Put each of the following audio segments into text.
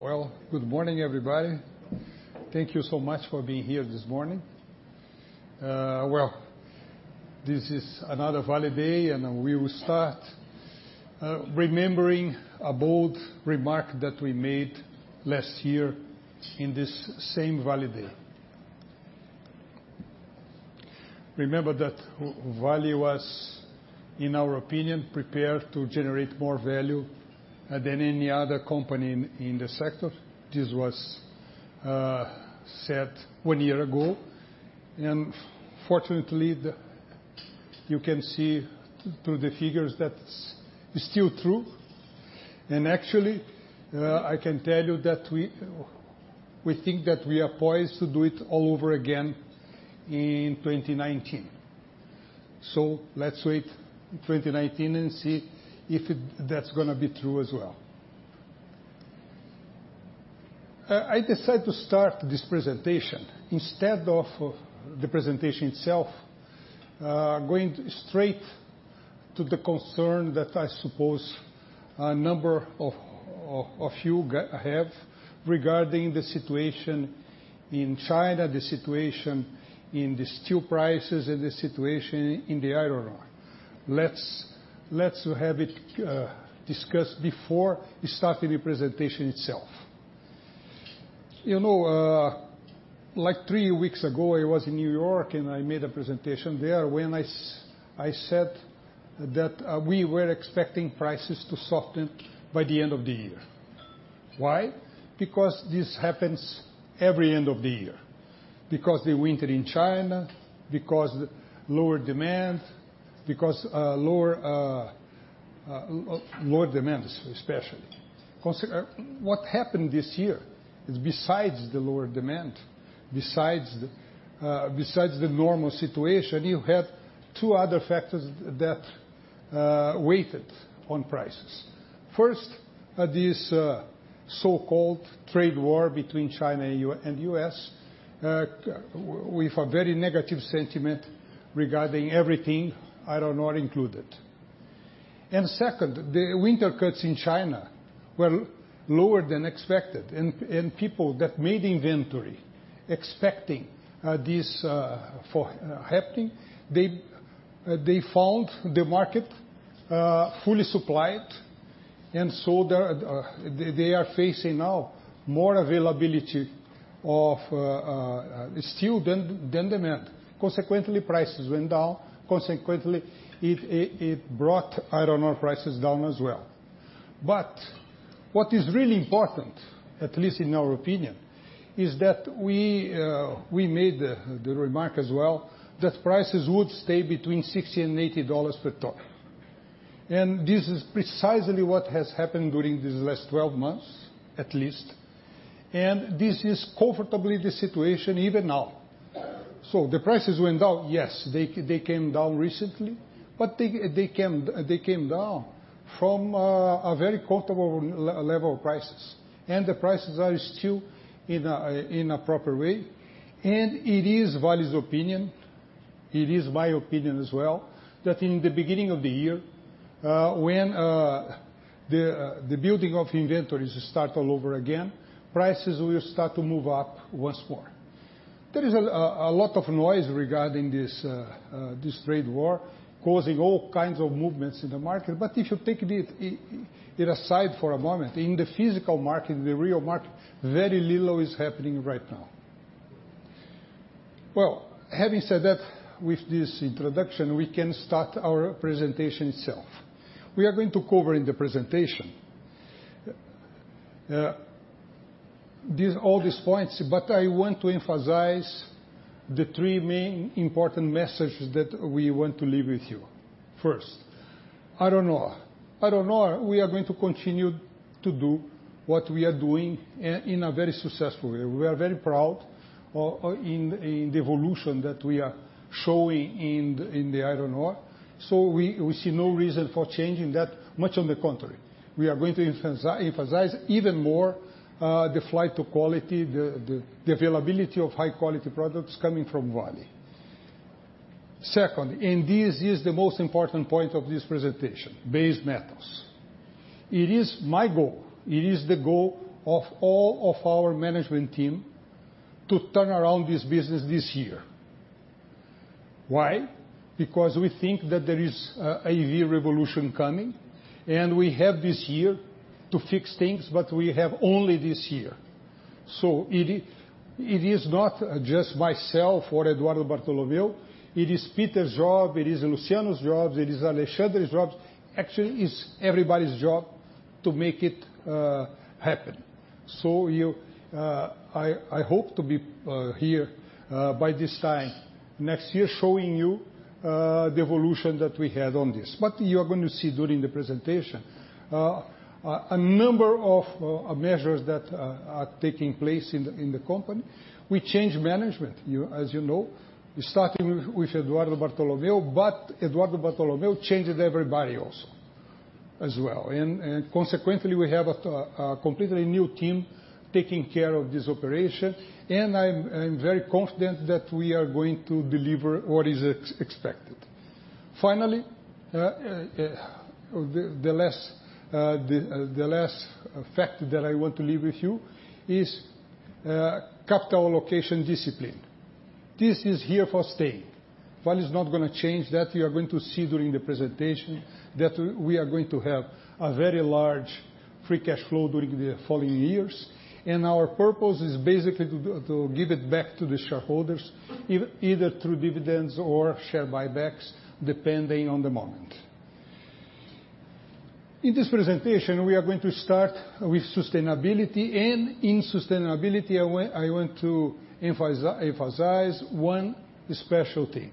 Well, good morning, everybody. Thank you so much for being here this morning. This is another Vale Day. We will start remembering a bold remark that we made last year in this same Vale Day. Remember that Vale was, in our opinion, prepared to generate more value than any other company in the sector. This was said one year ago. Fortunately, you can see through the figures that it's still true. Actually, I can tell you that we think that we are poised to do it all over again in 2019. Let's wait in 2019 and see if that's going to be true as well. I decided to start this presentation, instead of the presentation itself, going straight to the concern that I suppose a number of you have regarding the situation in China, the situation in the steel prices, and the situation in the iron ore. Let's have it discussed before we start the presentation itself. Like three weeks ago, I was in New York. I made a presentation there where I said that we were expecting prices to soften by the end of the year. Why? Because this happens every end of the year, because the winter in China, because lower demands, especially. What happened this year is besides the lower demand, besides the normal situation, you had two other factors that weighted on prices. First, this so-called trade war between China and U.S. with a very negative sentiment regarding everything, iron ore included. Second, the winter cuts in China were lower than expected. People that made inventory expecting this happening, they found the market fully supplied. They are facing now more availability of steel than demand. Consequently, prices went down. Consequently, it brought iron ore prices down as well. What is really important, at least in our opinion, is that we made the remark as well that prices would stay between $60 and $80 per ton. This is precisely what has happened during these last 12 months, at least. This is comfortably the situation even now. The prices went down. Yes, they came down recently. They came down from a very comfortable level of prices. The prices are still in a proper way. It is Vale's opinion, it is my opinion as well, that in the beginning of the year, when the building of inventories start all over again, prices will start to move up once more. There is a lot of noise regarding this trade war causing all kinds of movements in the market. If you take it aside for a moment, in the physical market, the real market, very little is happening right now. Well, having said that, with this introduction, we can start our presentation itself. We are going to cover in the presentation all these points. I want to emphasize the three main important messages that we want to leave with you. First, iron ore. Iron ore, we are going to continue to do what we are doing in a very successful way. We are very proud in the evolution that we are showing in the iron ore. We see no reason for changing that. Much on the contrary. We are going to emphasize even more the flight to quality, the availability of high-quality products coming from Vale. Second, this is the most important point of this presentation, base metals. It is my goal, it is the goal of all of our management team to turn around this business this year. Why? We think that there is a real revolution coming, and we have this year to fix things, but we have only this year. It is not just myself or Eduardo Bartolomeo. It is Peter's job. It is Luciano's job. It is Alexandre's job. Actually, it's everybody's job to make it happen. I hope to be here by this time next year showing you the evolution that we had on this. You are going to see during the presentation a number of measures that are taking place in the company. We changed management, as you know, starting with Eduardo Bartolomeo, but Eduardo Bartolomeo changed everybody also, as well. Consequently, we have a completely new team taking care of this operation, and I'm very confident that we are going to deliver what is expected. Finally, the last fact that I want to leave with you is capital allocation discipline. This is here to stay. Vale is not going to change that. You are going to see during the presentation that we are going to have a very large free cash flow during the following years. Our purpose is basically to give it back to the shareholders, either through dividends or share buybacks, depending on the moment. In this presentation, we are going to start with sustainability. In sustainability, I want to emphasize one special thing.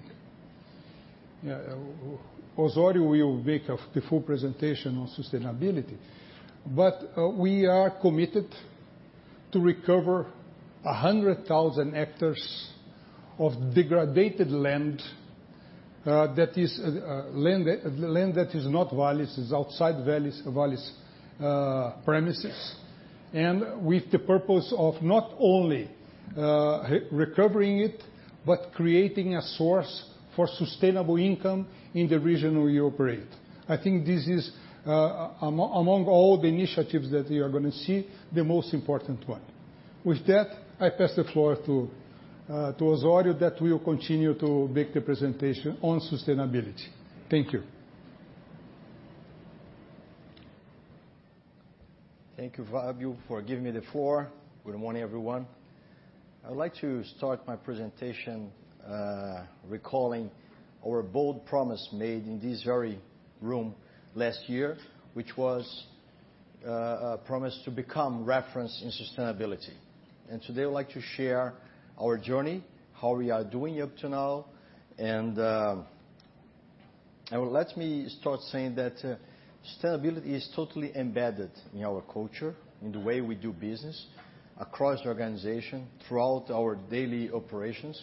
Osório will make a full presentation on sustainability. We are committed to recover 100,000 hectares of degraded land that is not Vale's, is outside Vale's premises, and with the purpose of not only recovering it, but creating a source for sustainable income in the region we operate. I think this is, among all the initiatives that we are going to see, the most important one. With that, I pass the floor to Osório that will continue to make the presentation on sustainability. Thank you. Thank you, Fabio, for giving me the floor. Good morning, everyone. I would like to start my presentation recalling our bold promise made in this very room last year, which was a promise to become reference in sustainability. Today I would like to share our journey, how we are doing up to now, and let me start saying that sustainability is totally embedded in our culture, in the way we do business across the organization, throughout our daily operations,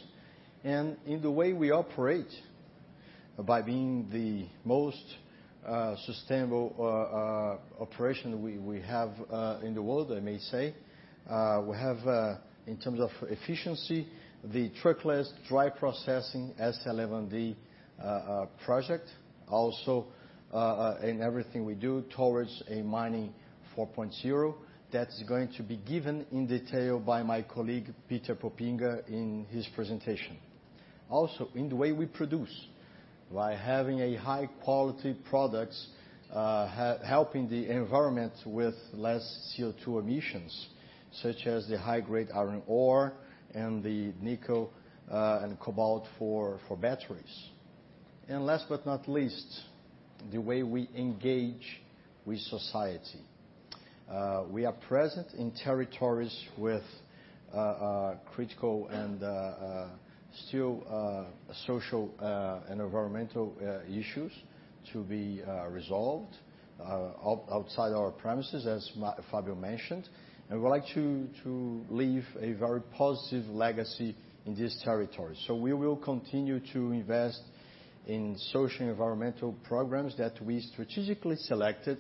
and in the way we operate. By being the most sustainable operation we have in the world, I may say. We have, in terms of efficiency, the truckless dry processing S11D project. Also, in everything we do towards a Mining 4.0, that's going to be given in detail by my colleague, Peter Poppinga, in his presentation. In the way we produce, by having a high-quality products, helping the environment with less CO2 emissions, such as the high-grade iron ore and the nickel and cobalt for batteries. Last but not least, the way we engage with society. We are present in territories with critical and still social and environmental issues to be resolved outside our premises, as Fabio mentioned. We would like to leave a very positive legacy in this territory. We will continue to invest in social and environmental programs that we strategically selected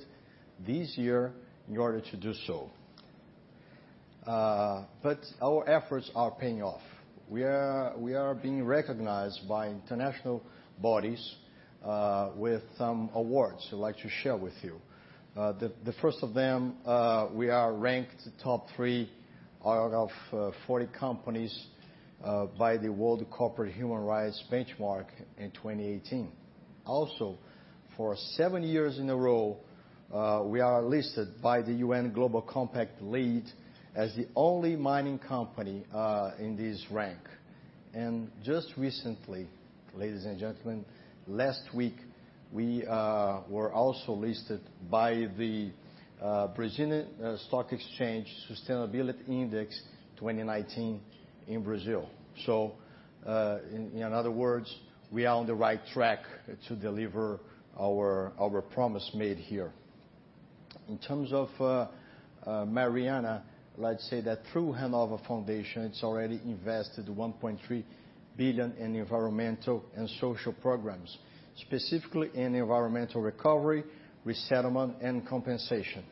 this year in order to do so. Our efforts are paying off. We are being recognized by international bodies with some awards I'd like to share with you. The first of them, we are ranked top three out of 40 companies by the Corporate Human Rights Benchmark in 2018. For seven years in a row, we are listed by the UN Global Compact LEAD as the only mining company in this rank. Just recently, ladies and gentlemen, last week, we were also listed by the Brazilian Stock Exchange Sustainability Index 2019 in Brazil. In other words, we are on the right track to deliver our promise made here. In terms of Mariana, I'd like to say that through Renova Foundation, it's already invested $1.3 billion in environmental and social programs, specifically in environmental recovery, resettlement, and compensation.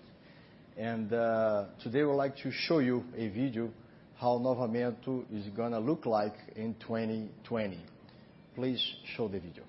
Today, we would like to show you a video how Novo Bento is going to look like in 2020. Please show the video.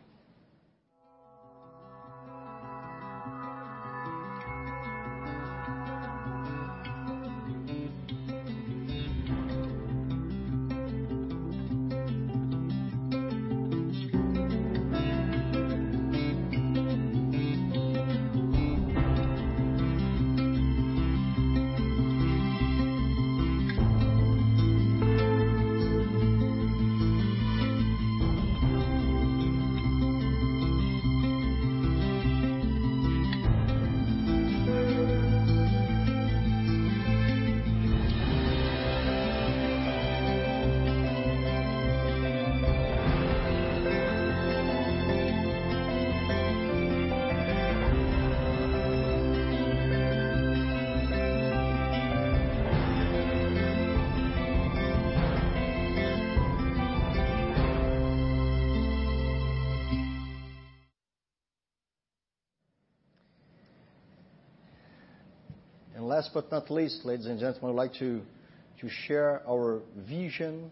Last but not least, ladies and gentlemen, I'd like to share our vision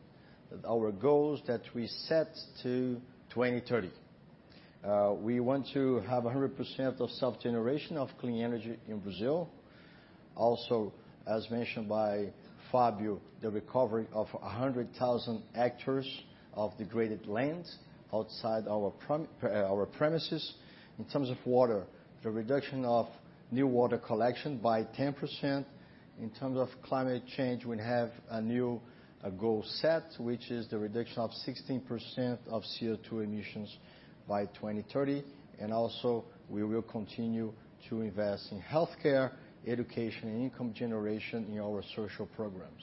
and our goals that we set to 2030. We want to have 100% of self-generation of clean energy in Brazil. As mentioned by Fabio, the recovery of 100,000 hectares of degraded land outside our premises. In terms of water, the reduction of new water collection by 10%. In terms of climate change, we have a new goal set, which is the reduction of 16% of CO2 emissions by 2030. Also, we will continue to invest in healthcare, education, and income generation in our social programs.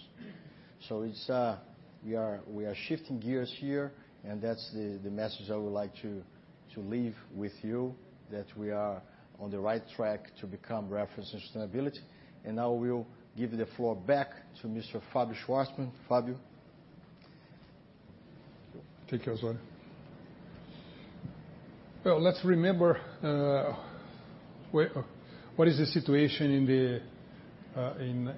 We are shifting gears here, and that's the message I would like to leave with you, that we are on the right track to become reference and sustainability. Now we will give the floor back to Mr. Fábio Schvartsman. Fabio. Thank you, Osório. Well, let's remember what is the situation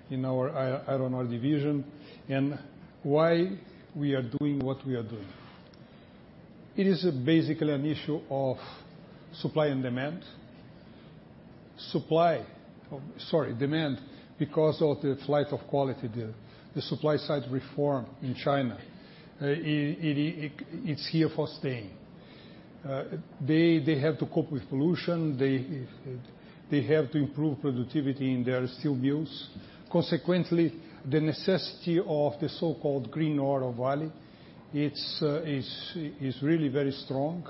in our iron ore division and why we are doing what we are doing. It is basically an issue of supply and demand. Demand because of the flight of quality, the supply-side reform in China. It's here for staying. They have to cope with pollution. They have to improve productivity in their steel mills. Consequently, the necessity of the so-called Green Ore Valley, it's really very strong.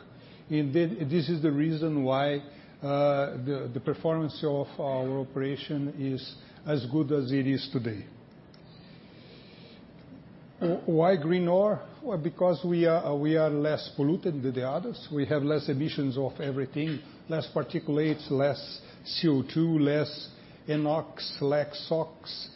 This is the reason why the performance of our operation is as good as it is today. Why green ore? Because we are less polluted than the others. We have less emissions of everything, less particulates, less CO2, less NOx, less SOx.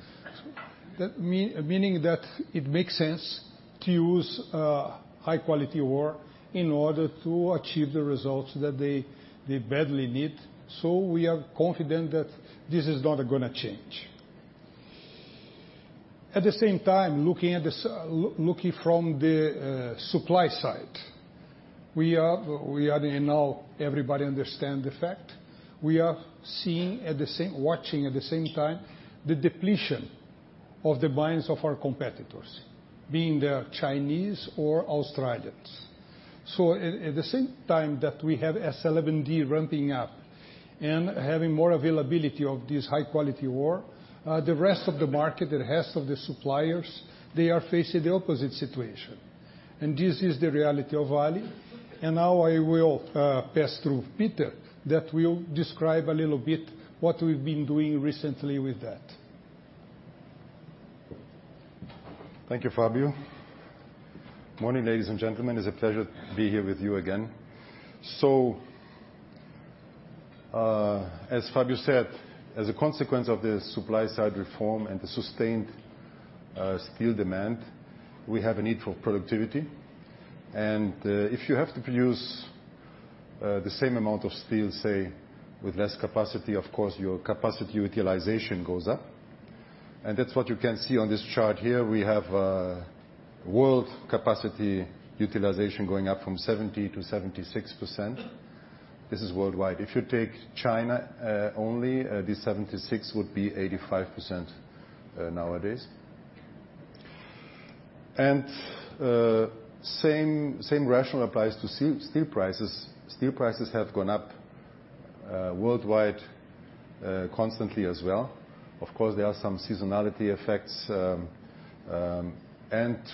Meaning that it makes sense to use high-quality ore in order to achieve the results that they badly need. We are confident that this is not going to change. At the same time, looking from the supply side. We are now, everybody understands the fact, we are watching at the same time, the depletion of the mines of our competitors, being the Chinese or Australians. At the same time that we have S11D ramping up and having more availability of this high-quality ore, the rest of the market, the rest of the suppliers, they are facing the opposite situation. This is the reality of Vale. Now I will pass through Peter that will describe a little bit what we've been doing recently with that. Thank you, Fábio. Morning, ladies and gentlemen. It's a pleasure to be here with you again. As Fábio said, as a consequence of the supply side reform and the sustained steel demand, we have a need for productivity. If you have to produce the same amount of steel, say, with less capacity, of course, your capacity utilization goes up. That's what you can see on this chart here. We have world capacity utilization going up from 70%-76%. This is worldwide. If you take China only, this 76% would be 85% nowadays. Same rationale applies to steel prices. Steel prices have gone up worldwide constantly as well. Of course, there are some seasonality effects.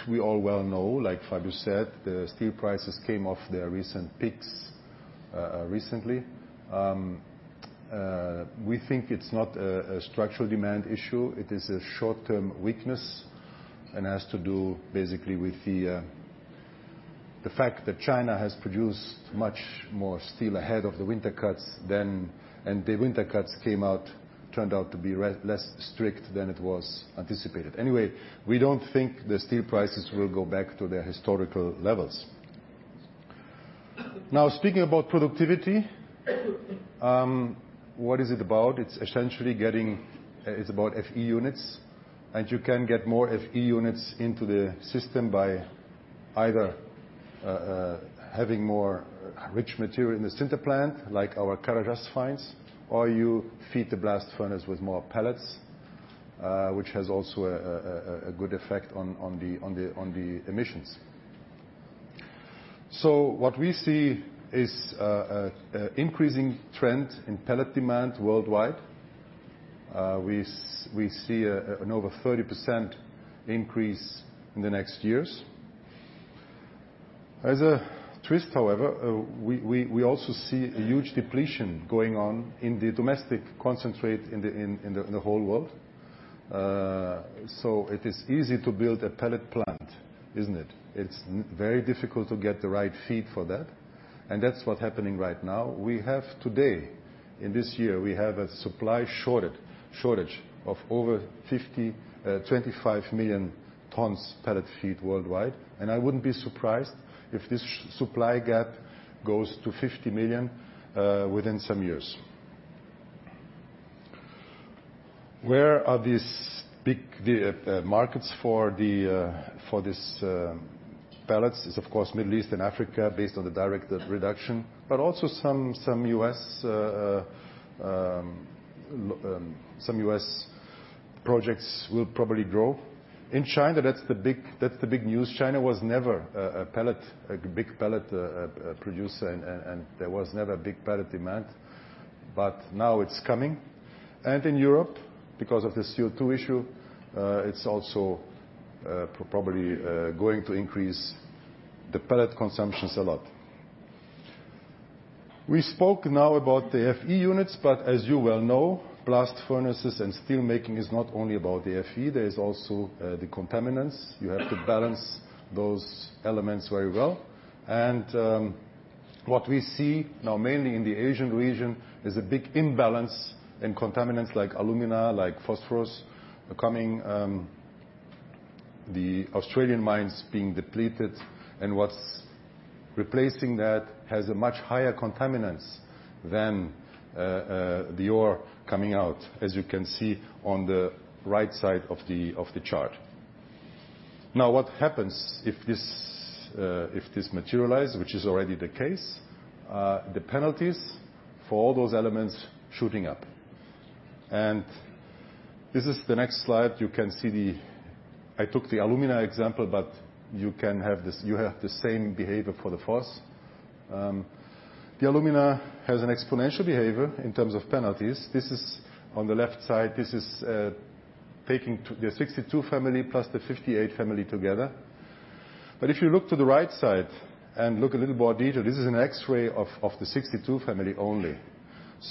We all well know, like Fábio said, the steel prices came off their recent peaks recently. We think it's not a structural demand issue. It is a short-term weakness and has to do basically with the fact that China has produced much more steel ahead of the winter cuts. The winter cuts came out, turned out to be less strict than it was anticipated. Anyway, we don't think the steel prices will go back to their historical levels. Speaking about productivity, what is it about? It's about FE units. You can get more FE units into the system by either having more rich material in the sinter plant, like our Carajás fines, or you feed the blast furnace with more pellets, which has also a good effect on the emissions. What we see is increasing trend in pellet demand worldwide. We see an over 30% increase in the next years. As a twist, however, we also see a huge depletion going on in the domestic concentrate in the whole world. It is easy to build a pellet plant, isn't it? It's very difficult to get the right feed for that. That's what's happening right now. We have today, in this year, we have a supply shortage of over 25 million tons pellet feed worldwide, and I wouldn't be surprised if this supply gap goes to 50 million tons within some years. Where are these big markets for these pellets? It's, of course, Middle East and Africa based on the direct reduction. Also some U.S. projects will probably grow. In China, that's the big news. China was never a big pellet producer, and there was never big pellet demand. Now it's coming. In Europe, because of the CO2 issue, it's also probably going to increase the pellet consumptions a lot. We spoke now about the Fe units, but as you well know, blast furnaces and steel making is not only about the Fe, there is also the contaminants. You have to balance those elements very well. What we see now, mainly in the Asian region, is a big imbalance in contaminants like alumina, like phosphorus, the Australian mines being depleted, and what's replacing that has a much higher contaminants than the ore coming out, as you can see on the right side of the chart. What happens if this materializes, which is already the case, the penalties for all those elements shooting up. This is the next slide. I took the alumina example, but you have the same behavior for the phos. The alumina has an exponential behavior in terms of penalties. On the left side, this is taking the 62 family plus the 58 family together. If you look to the right side and look a little more detail, this is an X-ray of the 62 family only.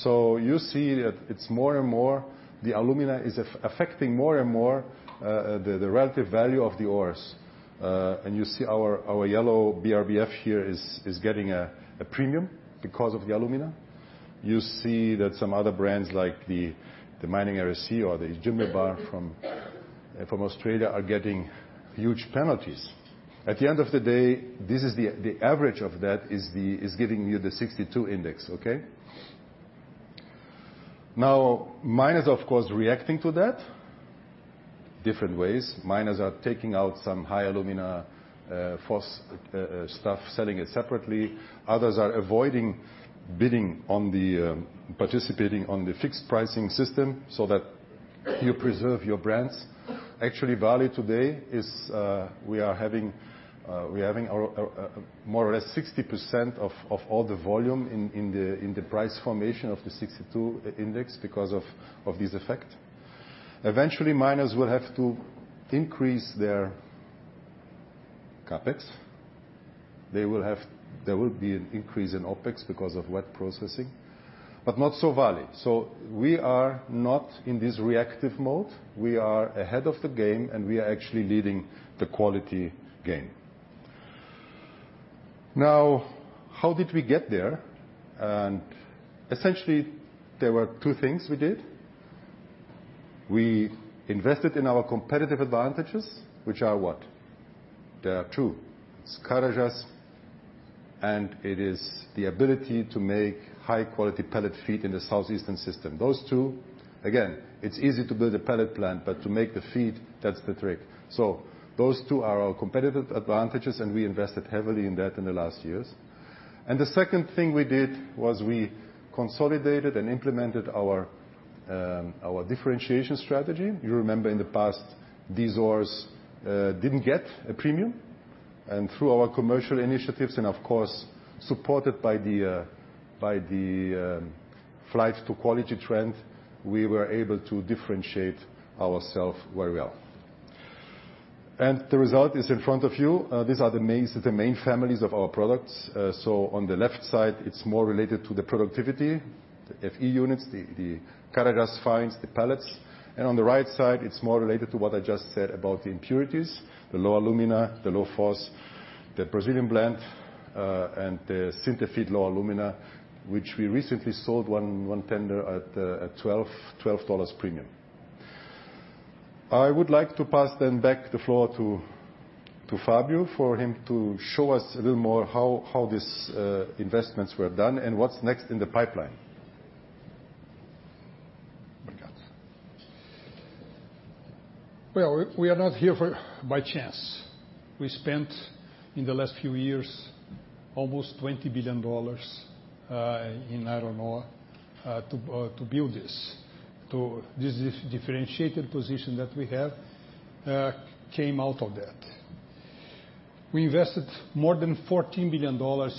You see that the alumina is affecting more and more the relative value of the ores. You see our yellow BRBF here is getting a premium because of the alumina. You see that some other brands like the Mining Area C or the Jimblebar from Australia are getting huge penalties. At the end of the day, the average of that is giving you the 62 index. Okay. Miners, of course, reacting to that different ways. Miners are taking out some high alumina phos stuff, selling it separately. Others are avoiding participating on the fixed pricing system so that you preserve your brands. Actually, Vale today is we are having more or less 60% of all the volume in the price formation of the 62 index because of this effect. Eventually, miners will have to increase their CapEx. There will be an increase in OpEx because of wet processing, but not so Vale. We are not in this reactive mode. We are ahead of the game, and we are actually leading the quality game. How did we get there? Essentially, there were two things we did. We invested in our competitive advantages, which are what? There are two. It's Carajás, and it is the ability to make high-quality pellet feed in the Southeastern system. Those two, again, it's easy to build a pellet plant, but to make the feed, that's the trick. Those two are our competitive advantages, and we invested heavily in that in the last years. The second thing we did was we consolidated and implemented our differentiation strategy. You remember in the past, these ores didn't get a premium. Through our commercial initiatives and, of course, supported by the flights to quality trend, we were able to differentiate ourself very well. The result is in front of you. These are the main families of our products. On the left side, it's more related to the productivity, the Fe units, the Carajás fines, the pellets. On the right side, it's more related to what I just said about the impurities, the low alumina, the low phos, the Brazilian Blend, and the Sinter Feed Low Alumina, which we recently sold one tender at $12 premium. I would like to pass then back the floor to Fábio for him to show us a little more how these investments were done and what's next in the pipeline. Obrigado. Well, we are not here by chance. We spent, in the last few years, almost $20 billion in iron ore to build this. This differentiated position that we have came out of that. We invested more than $14 billion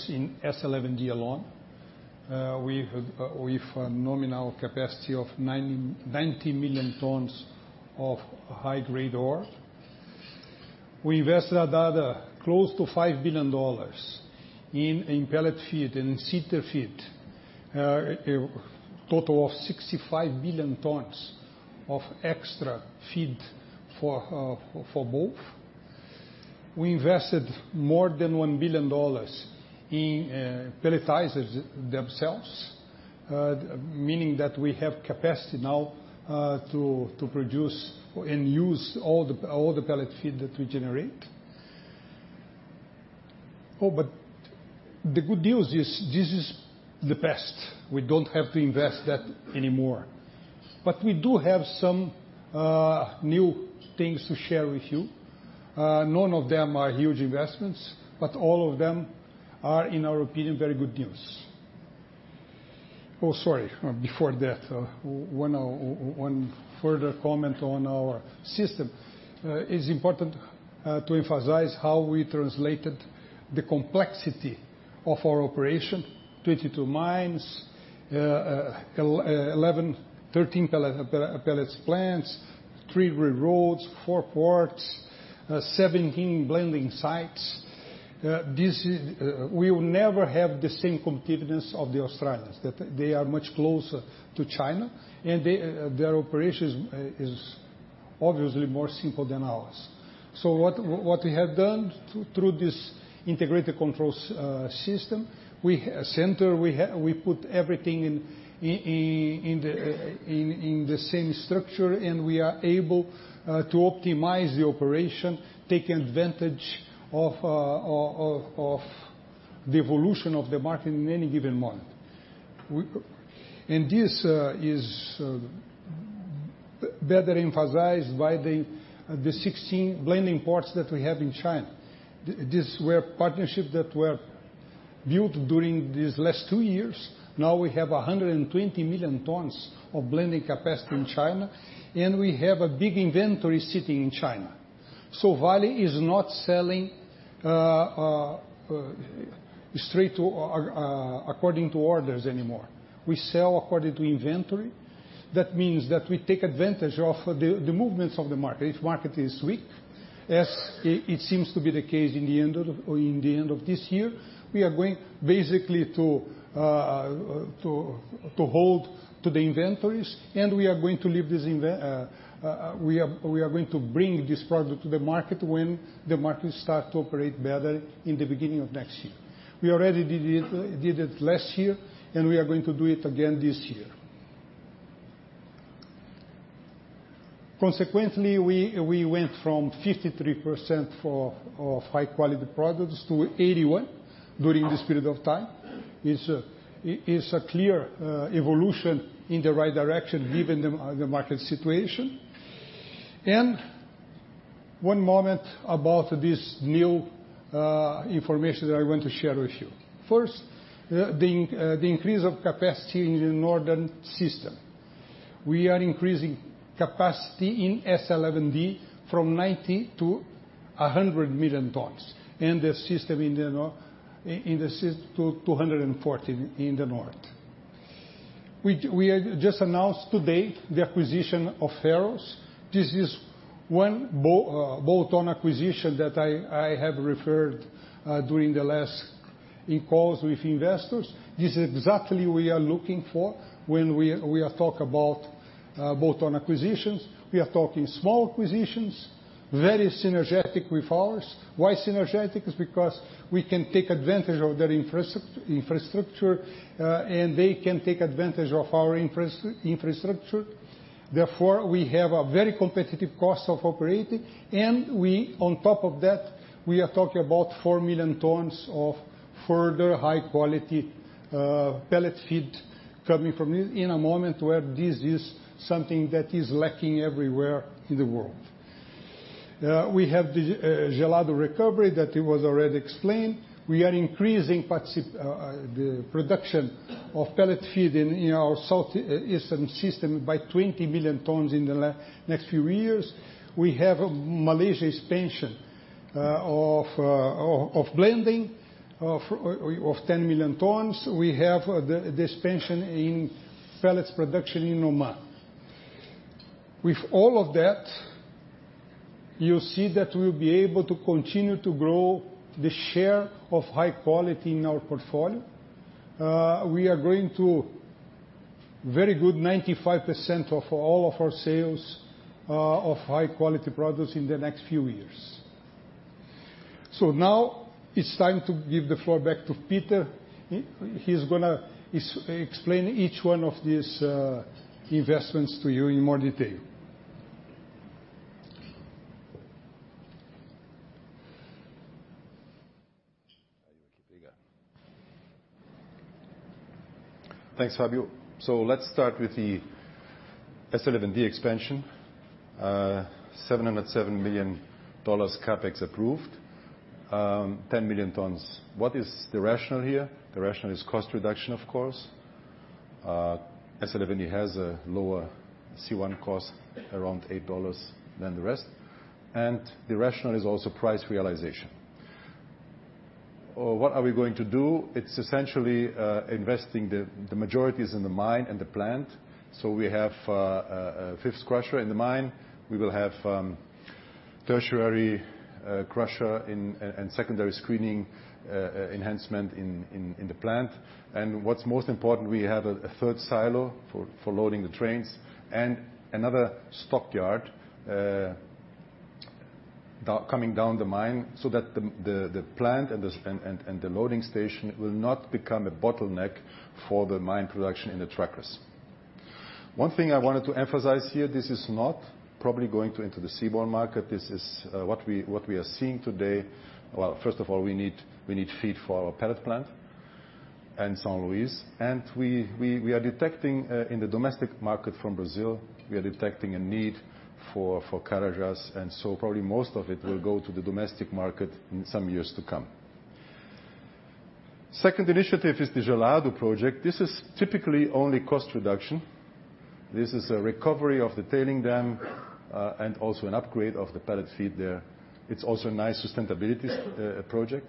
in S11D alone, with a nominal capacity of 90 million tons of high-grade ore. We invested another close to $5 billion in pellet feed and Sinter feed, a total of 65 million tons of extra feed for both. We invested more than $1 billion in pelletizers themselves, meaning that we have capacity now to produce and use all the pellet feed that we generate. The good news is this is the past. We don't have to invest that anymore. We do have some new things to share with you. None of them are huge investments, all of them are, in our opinion, very good news. Sorry, before that, one further comment on our system. It's important to emphasize how we translated the complexity of our operation, 22 mines, 13 pellets plants, three railroads, four ports, 17 blending sites. We will never have the same competitiveness of the Australians. They are much closer to China, and their operation is obviously more simple than ours. What we have done through this integrated controls system center, we put everything in the same structure, and we are able to optimize the operation, take advantage of the evolution of the market in any given month. This is better emphasized by the 16 blending ports that we have in China. These were partnerships that were built during these last two years. Now we have 120 million tons of blending capacity in China, we have a big inventory sitting in China. Vale is not selling according to orders anymore. We sell according to inventory. That means that we take advantage of the movements of the market. If the market is weak, as it seems to be the case in the end of this year, we are going basically to hold to the inventories, we are going to bring this product to the market when the market starts to operate better in the beginning of next year. We already did it last year, we are going to do it again this year. Consequently, we went from 53% of high-quality products to 81% during this period of time. It's a clear evolution in the right direction given the market situation. One moment about this new information that I want to share with you. First, the increase of capacity in the northern system. We are increasing capacity in S11D from 90 to 100 million tons. The system to 240 in the north. We just announced today the acquisition of Ferrous Resources. This is one bolt-on acquisition that I have referred during the last calls with investors. This is exactly what we are looking for when we talk about bolt-on acquisitions. We are talking small acquisitions, very synergetic with ours. Why synergetic? Because we can take advantage of their infrastructure, and they can take advantage of our infrastructure. Therefore, we have a very competitive cost of operating. On top of that, we are talking about 4 million tons of further high-quality pellet feed coming from this in a moment where this is something that is lacking everywhere in the world. We have the Gelado recovery that was already explained. We are increasing the production of pellet feed in our southeastern system by 20 million tons in the next few years. We have a Malaysia expansion of blending of 10 million tons. We have the expansion in pellets production in Oman. With all of that, you'll see that we'll be able to continue to grow the share of high quality in our portfolio. We are going to very good 95% of all of our sales of high-quality products in the next few years. Now it's time to give the floor back to Peter. He's going to explain each one of these investments to you in more detail. Thanks, Fábio. Let's start with the S11D expansion, $707 million CapEx approved, 10 million tons. What is the rationale here? The rationale is cost reduction, of course. S11D has a lower C1 cost, around $8 than the rest, and the rationale is also price realization. What are we going to do? It's essentially investing the majority is in the mine and the plant. We have a fifth crusher in the mine. We will have tertiary crusher and secondary screening enhancement in the plant. What's most important, we have a third silo for loading the trains and another stockyard coming down the mine so that the plant and the loading station will not become a bottleneck for the mine production in the truckers. One thing I wanted to emphasize here, this is not probably going into the seaborne market. This is what we are seeing today. Well, first of all, we need feed for our pellet plant in São Luís, and we are detecting in the domestic market from Brazil, we are detecting a need for Carajás, and so probably most of it will go to the domestic market in some years to come. Second initiative is the Gelado project. This is typically only cost reduction. This is a recovery of the tailing dam, and also an upgrade of the pellet feed there. It's also a nice sustainability project.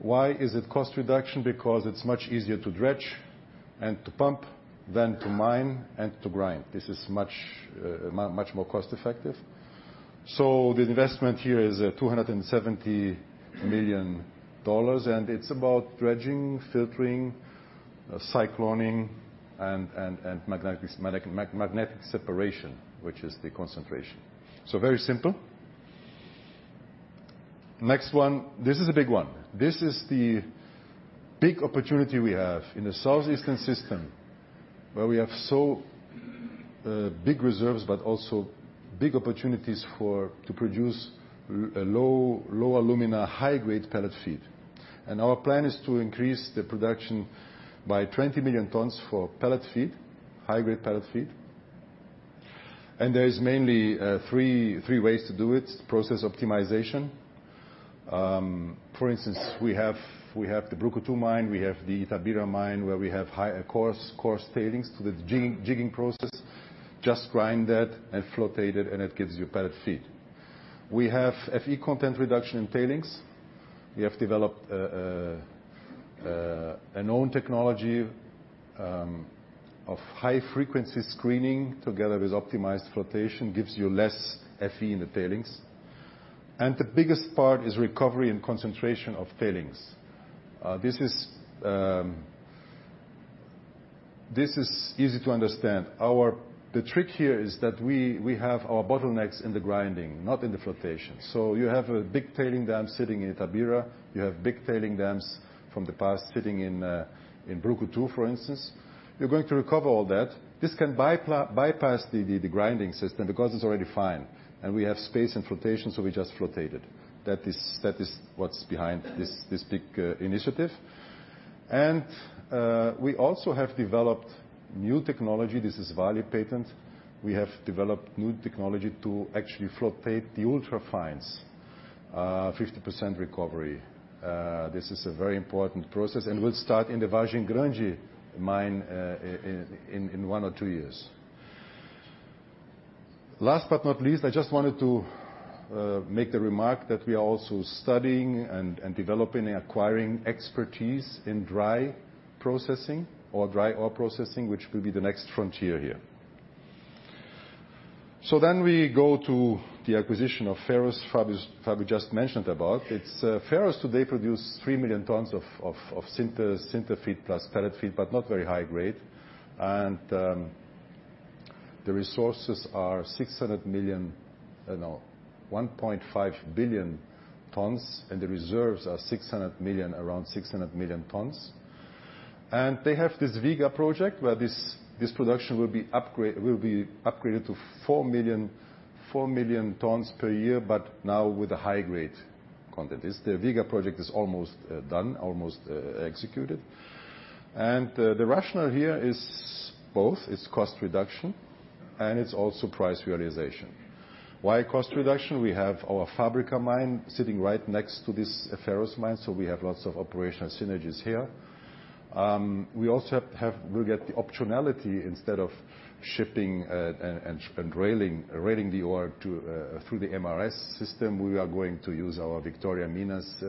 Why is it cost reduction? Because it's much easier to dredge and to pump than to mine and to grind. This is much more cost-effective. The investment here is $270 million, and it's about dredging, filtering, cycloning, and magnetic separation, which is the concentration. Very simple. Next one. This is a big one. This is the big opportunity we have in the Southeastern system, where we have big reserves, but also big opportunities to produce a low alumina, high-grade pellet feed. Our plan is to increase the production by 20 million tons for pellet feed, high-grade pellet feed. There is mainly three ways to do it. Process optimization. For instance, we have the Brucutu mine, we have the Itabira mine, where we have higher coarse tailings to the jigging process, just grind that and float it, and it gives you pellet feed. We have Fe content reduction in tailings. We have developed an own technology of high-frequency screening together with optimized flotation, gives you less Fe in the tailings. The biggest part is recovery and concentration of tailings. This is easy to understand. The trick here is that we have our bottlenecks in the grinding, not in the flotation. You have a big tailing dam sitting in Itabira, you have big tailing dams from the past sitting in Brucutu, for instance. You're going to recover all that. This can bypass the grinding system because it's already fine. We have space and flotation, so we just float it. That is what's behind this big initiative. We also have developed new technology. This is Vale patent. We have developed new technology to actually float the ultra-fines, 50% recovery. This is a very important process, and will start in the Vargem Grande mine in one or two years. Last but not least, I just wanted to make the remark that we are also studying and developing and acquiring expertise in dry processing or dry ore processing, which will be the next frontier here. We go to the acquisition of Ferrous, Fábio just mentioned about. Ferrous today produce 3 million tons of sinter feed plus pellet feed, but not very high grade. The resources are 600 million, no, 1.5 billion tons, and the reserves are 600 million, around 600 million tons. They have this Vega project, where this production will be upgraded to 4 million tons per year, but now with a high grade content. The Vega project is almost done, almost executed. The rationale here is both, it's cost reduction and it's also price realization. Why cost reduction? We have our Fábrica mine sitting right next to this Ferrous mine, so we have lots of operational synergies here. We also will get the optionality instead of shipping and railing the ore through the MRS system, we are going to use our Vitória-Minas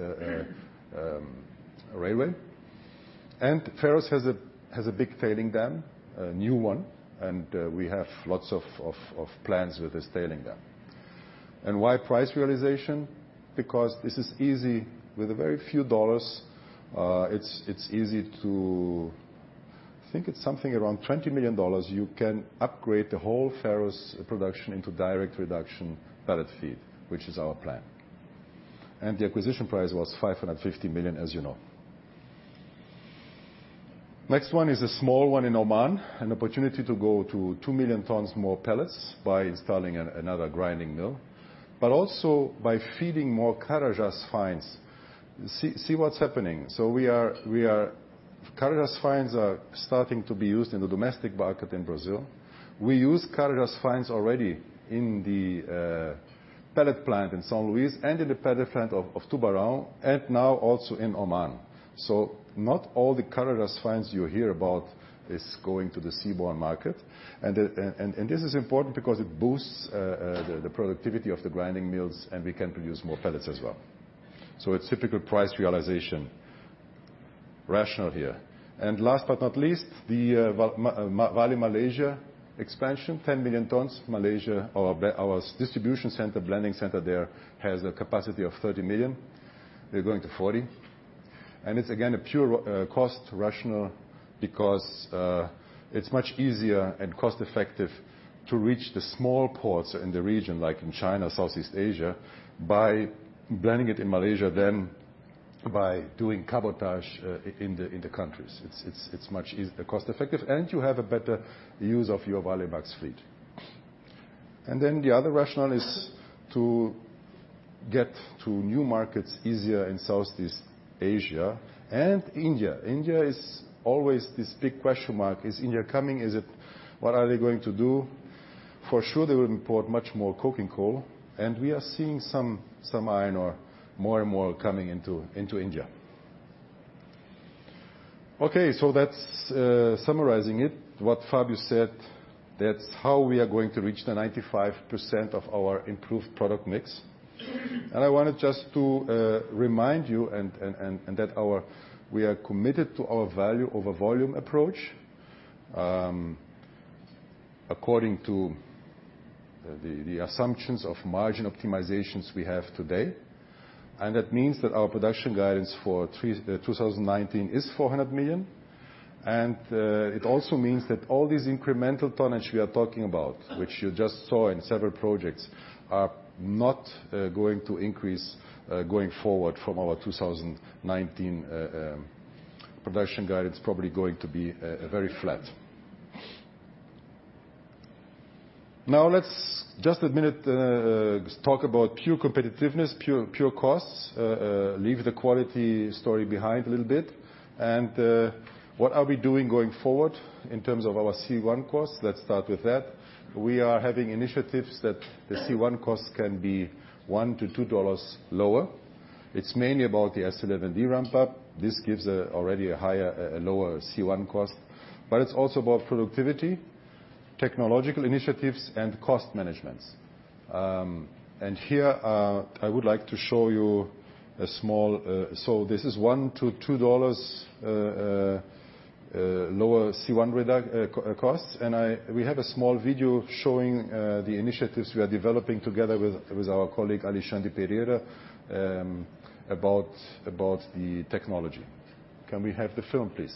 Railway. Ferrous has a big tailing dam, a new one, and we have lots of plans with this tailing dam. Why price realization? Because this is easy. With a very few dollars, it's easy to I think it's something around $20 million, you can upgrade the whole Ferrous production into direct reduction pellet feed, which is our plan. The acquisition price was $550 million, as you know. Next one is a small one in Oman, an opportunity to go to 2 million tons more pellets by installing another grinding mill, but also by feeding more Carajás fines. See what's happening. Carajás fines are starting to be used in the domestic market in Brazil. We use Carajás fines already in the pellet plant in São Luís and in the pellet plant of Tubarão, and now also in Oman. Not all the Carajás fines you hear about is going to the seaborne market, this is important because it boosts the productivity of the grinding mills, we can produce more pellets as well. It's typical price realization rationale here. Last but not least, the Vale Malaysia expansion, 10 million tons. Malaysia, our distribution center, blending center there has a capacity of 30 million. We're going to 40. It's again, a pure cost rationale because it's much easier and cost-effective to reach the small ports in the region like in China, Southeast Asia, by blending it in Malaysia than by doing cabotage in the countries. It's much cost-effective, you have a better use of your Valemax fleet. The other rationale is to get to new markets easier in Southeast Asia and India. India is always this big question mark. Is India coming? What are they going to do? For sure, they will import much more coking coal, we are seeing some iron ore, more and more, coming into India. Okay. That's summarizing it, what Fábio said. That's how we are going to reach the 95% of our improved product mix. I wanted just to remind you that we are committed to our value over volume approach, according to the assumptions of margin optimizations we have today. That means that our production guidance for 2019 is 400 million, it also means that all these incremental tonnage we are talking about, which you just saw in several projects, are not going to increase going forward from our 2019 production guidance, probably going to be very flat. Let's, just a minute, talk about pure competitiveness, pure costs. Leave the quality story behind a little bit. What are we doing going forward in terms of our C1 costs? Let's start with that. We are having initiatives that the C1 costs can be $1-$2 lower. It's mainly about the S11D ramp-up. This gives already a lower C1 cost, it's also about productivity, technological initiatives, cost managements. Here, I would like to show you a small this is $1-$2 lower C1 costs. We have a small video showing the initiatives we are developing together with our colleague, Alexandre Pereira, about the technology. Can we have the film, please?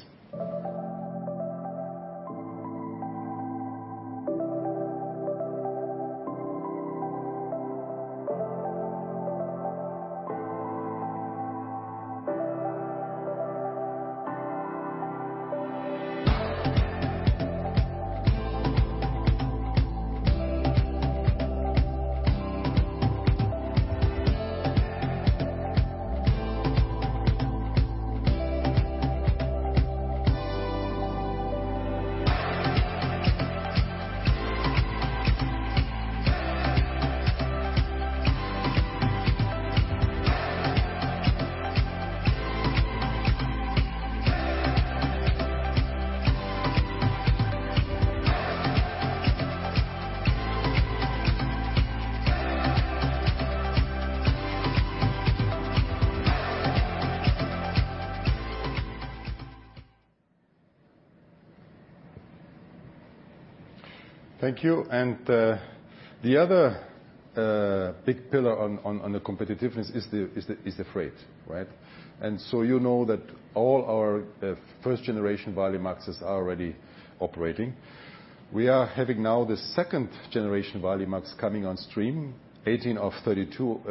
Thank you. The other big pillar on the competitiveness is the freight, right? You know that all our first-generation Valemax are already operating. We are having now the second-generation Valemax coming on stream, 18 of 32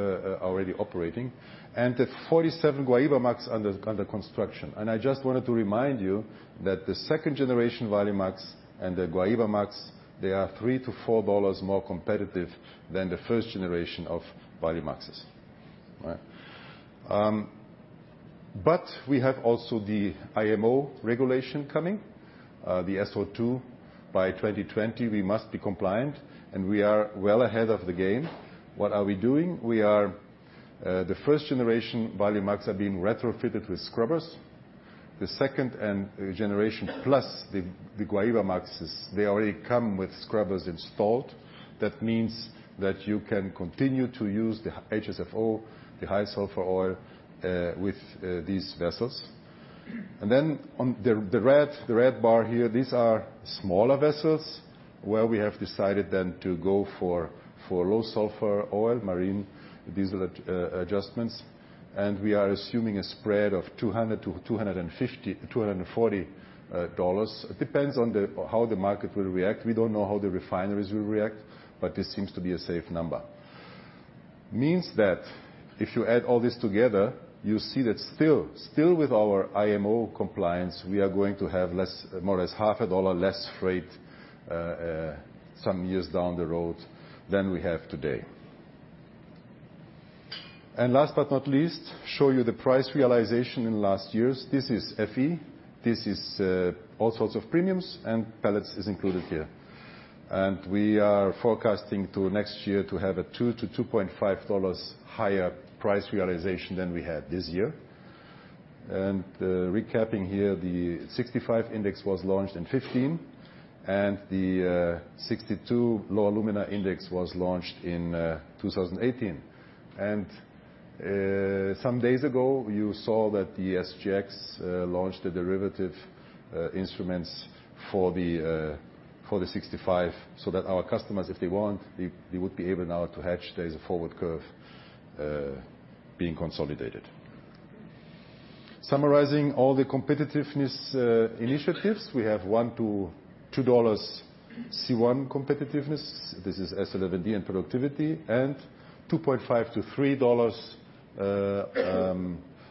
already operating, the 47 Guaibamax under construction. I just wanted to remind you that the second-generation Valemax and the Guaibamax, they are $3-$4 more competitive than the first generation of Valemax. Right? We have also the IMO regulation coming, the SO2. By 2020, we must be compliant, we are well ahead of the game. What are we doing? The first-generation Valemax are being retrofitted with scrubbers. The second generation, plus the Guaibamax, they already come with scrubbers installed. That means that you can continue to use the HSFO, the high sulfur oil, with these vessels. On the red bar here, these are smaller vessels where we have decided then to go for low sulfur oil, marine diesel adjustments, we are assuming a spread of $200-$240. It depends on how the market will react. We don't know how the refineries will react, but this seems to be a safe number. It means that if you add all this together, you see that still with our IMO compliance, we are going to have more or less half a dollar less freight some years down the road than we have today. Last but not least, I will show you the price realization in last year's. This is FE. This is all sorts of premiums, and pellets is included here. We are forecasting to next year to have a $2-$2.5 higher price realization than we had this year. Recapping here, the 65 index was launched in 2015, the 62 low alumina index was launched in 2018. Some days ago, you saw that the SGX launched the derivative instruments for the 65 so that our customers, if they want, they would be able now to hedge. There is a forward curve being consolidated. Summarizing all the competitiveness initiatives, we have $1-$2 C1 competitiveness. This is S11D and productivity, $2.50-$3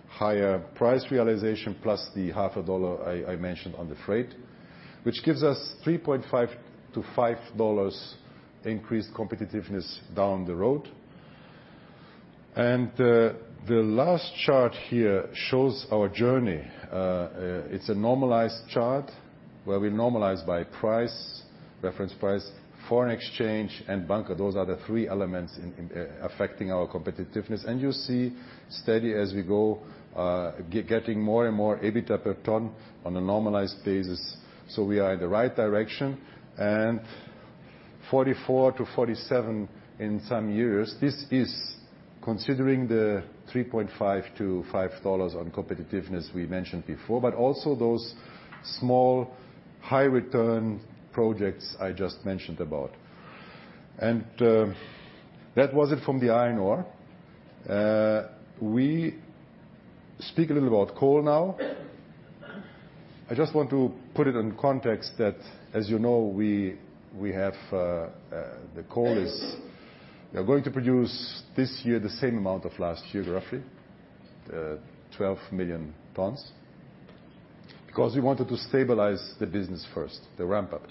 higher price realization plus the half a dollar I mentioned on the freight, which gives us $3.50-$5 increased competitiveness down the road. The last chart here shows our journey. It's a normalized chart where we normalize by reference price, foreign exchange, and bunker. Those are the three elements affecting our competitiveness. You see steady as we go, getting more and more EBITDA per ton on a normalized basis. We are in the right direction. 44-47 in some years. This is considering the $3.50-$5 on competitiveness we mentioned before, but also those small high return projects I just mentioned about. That was it from the iron ore. We speak a little about coal now. I just want to put it in context that as you know, we are going to produce this year the same amount of last year, roughly, 12 million tons. We wanted to stabilize the business first, the ramp-up.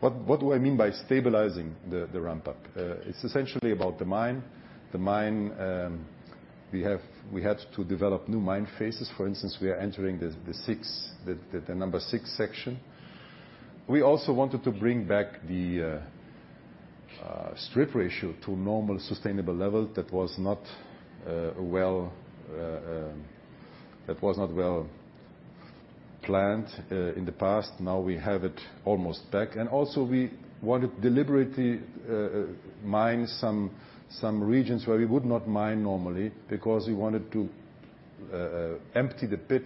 What do I mean by stabilizing the ramp-up? It's essentially about the mine. The mine, we had to develop new mine faces. For instance, we are entering the number 6 section. We also wanted to bring back the strip ratio to normal sustainable level that was not well-planned in the past. Now we have it almost back. Also we wanted deliberately mine some regions where we would not mine normally because we wanted to empty the pit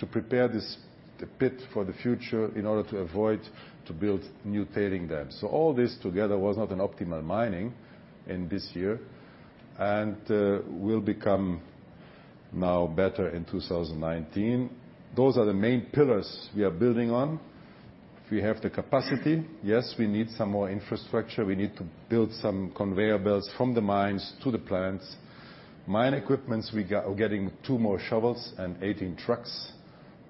to prepare the pit for the future in order to avoid to build new tailing dams. All this together was not an optimal mining in this year and will become now better in 2019. Those are the main pillars we are building on. We have the capacity. Yes, we need some more infrastructure. We need to build some conveyor belts from the mines to the plants. Mine equipments, we are getting two more shovels and 18 trucks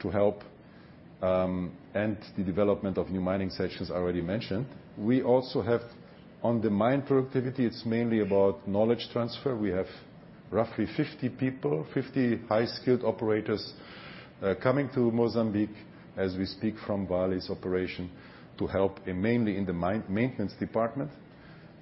to help, and the development of new mining sections I already mentioned. We also have on the mine productivity, it's mainly about knowledge transfer. We have roughly 50 people, 50 high-skilled operators, coming to Mozambique as we speak from Vale's operation to help mainly in the maintenance department.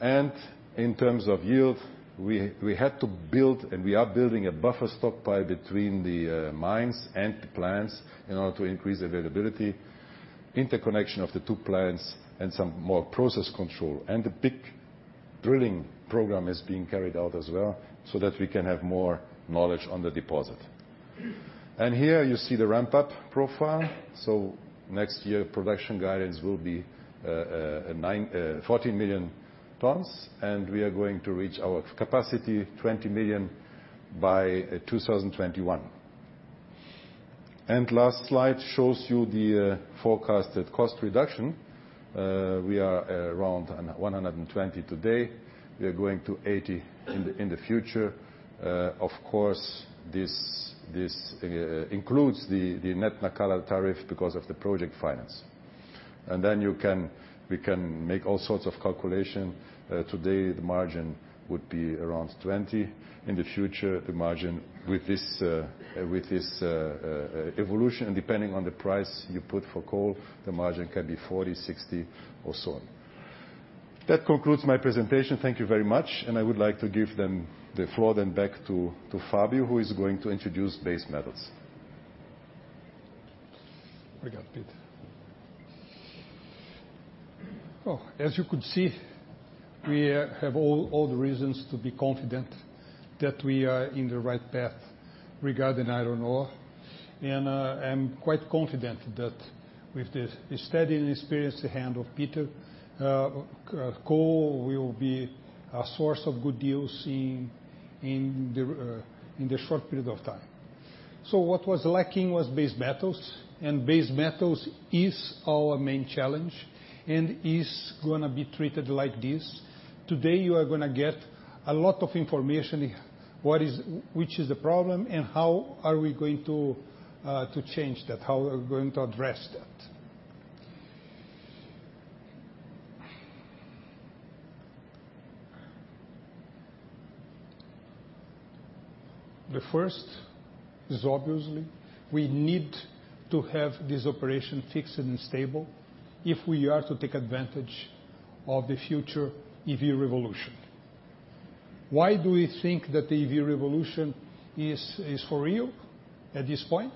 In terms of yield, we had to build and we are building a buffer stock buy between the mines and the plants in order to increase availability, interconnection of the two plants and some more process control. A big drilling program is being carried out as well so that we can have more knowledge on the deposit. Here you see the ramp-up profile. Next year production guidance will be 14 million tons, and we are going to reach our capacity, 20 million, by 2021. Last slide shows you the forecasted cost reduction. We are around $120 today. We are going to $80 in the future. Of course, this includes the net Nacala tariff because of the project finance. We can make all sorts of calculation. Today the margin would be around $20. In the future, the margin with this evolution and depending on the price you put for coal, the margin can be $40, $60 or so on. That concludes my presentation. Thank you very much. I would like to give the floor then back to Fábio, who is going to introduce base metals. I got it, Peter. As you could see, we have all the reasons to be confident that we are in the right path regarding iron ore. I'm quite confident that with the steady and experienced hand of Peter, coal will be a source of good deals in the short period of time. What was lacking was base metals, and base metals is our main challenge and is going to be treated like this. Today, you are going to get a lot of information, which is the problem and how are we going to change that, how we're going to address that. The first is obviously we need to have this operation fixed and stable if we are to take advantage of the future EV revolution. Why do we think that the EV revolution is for real at this point?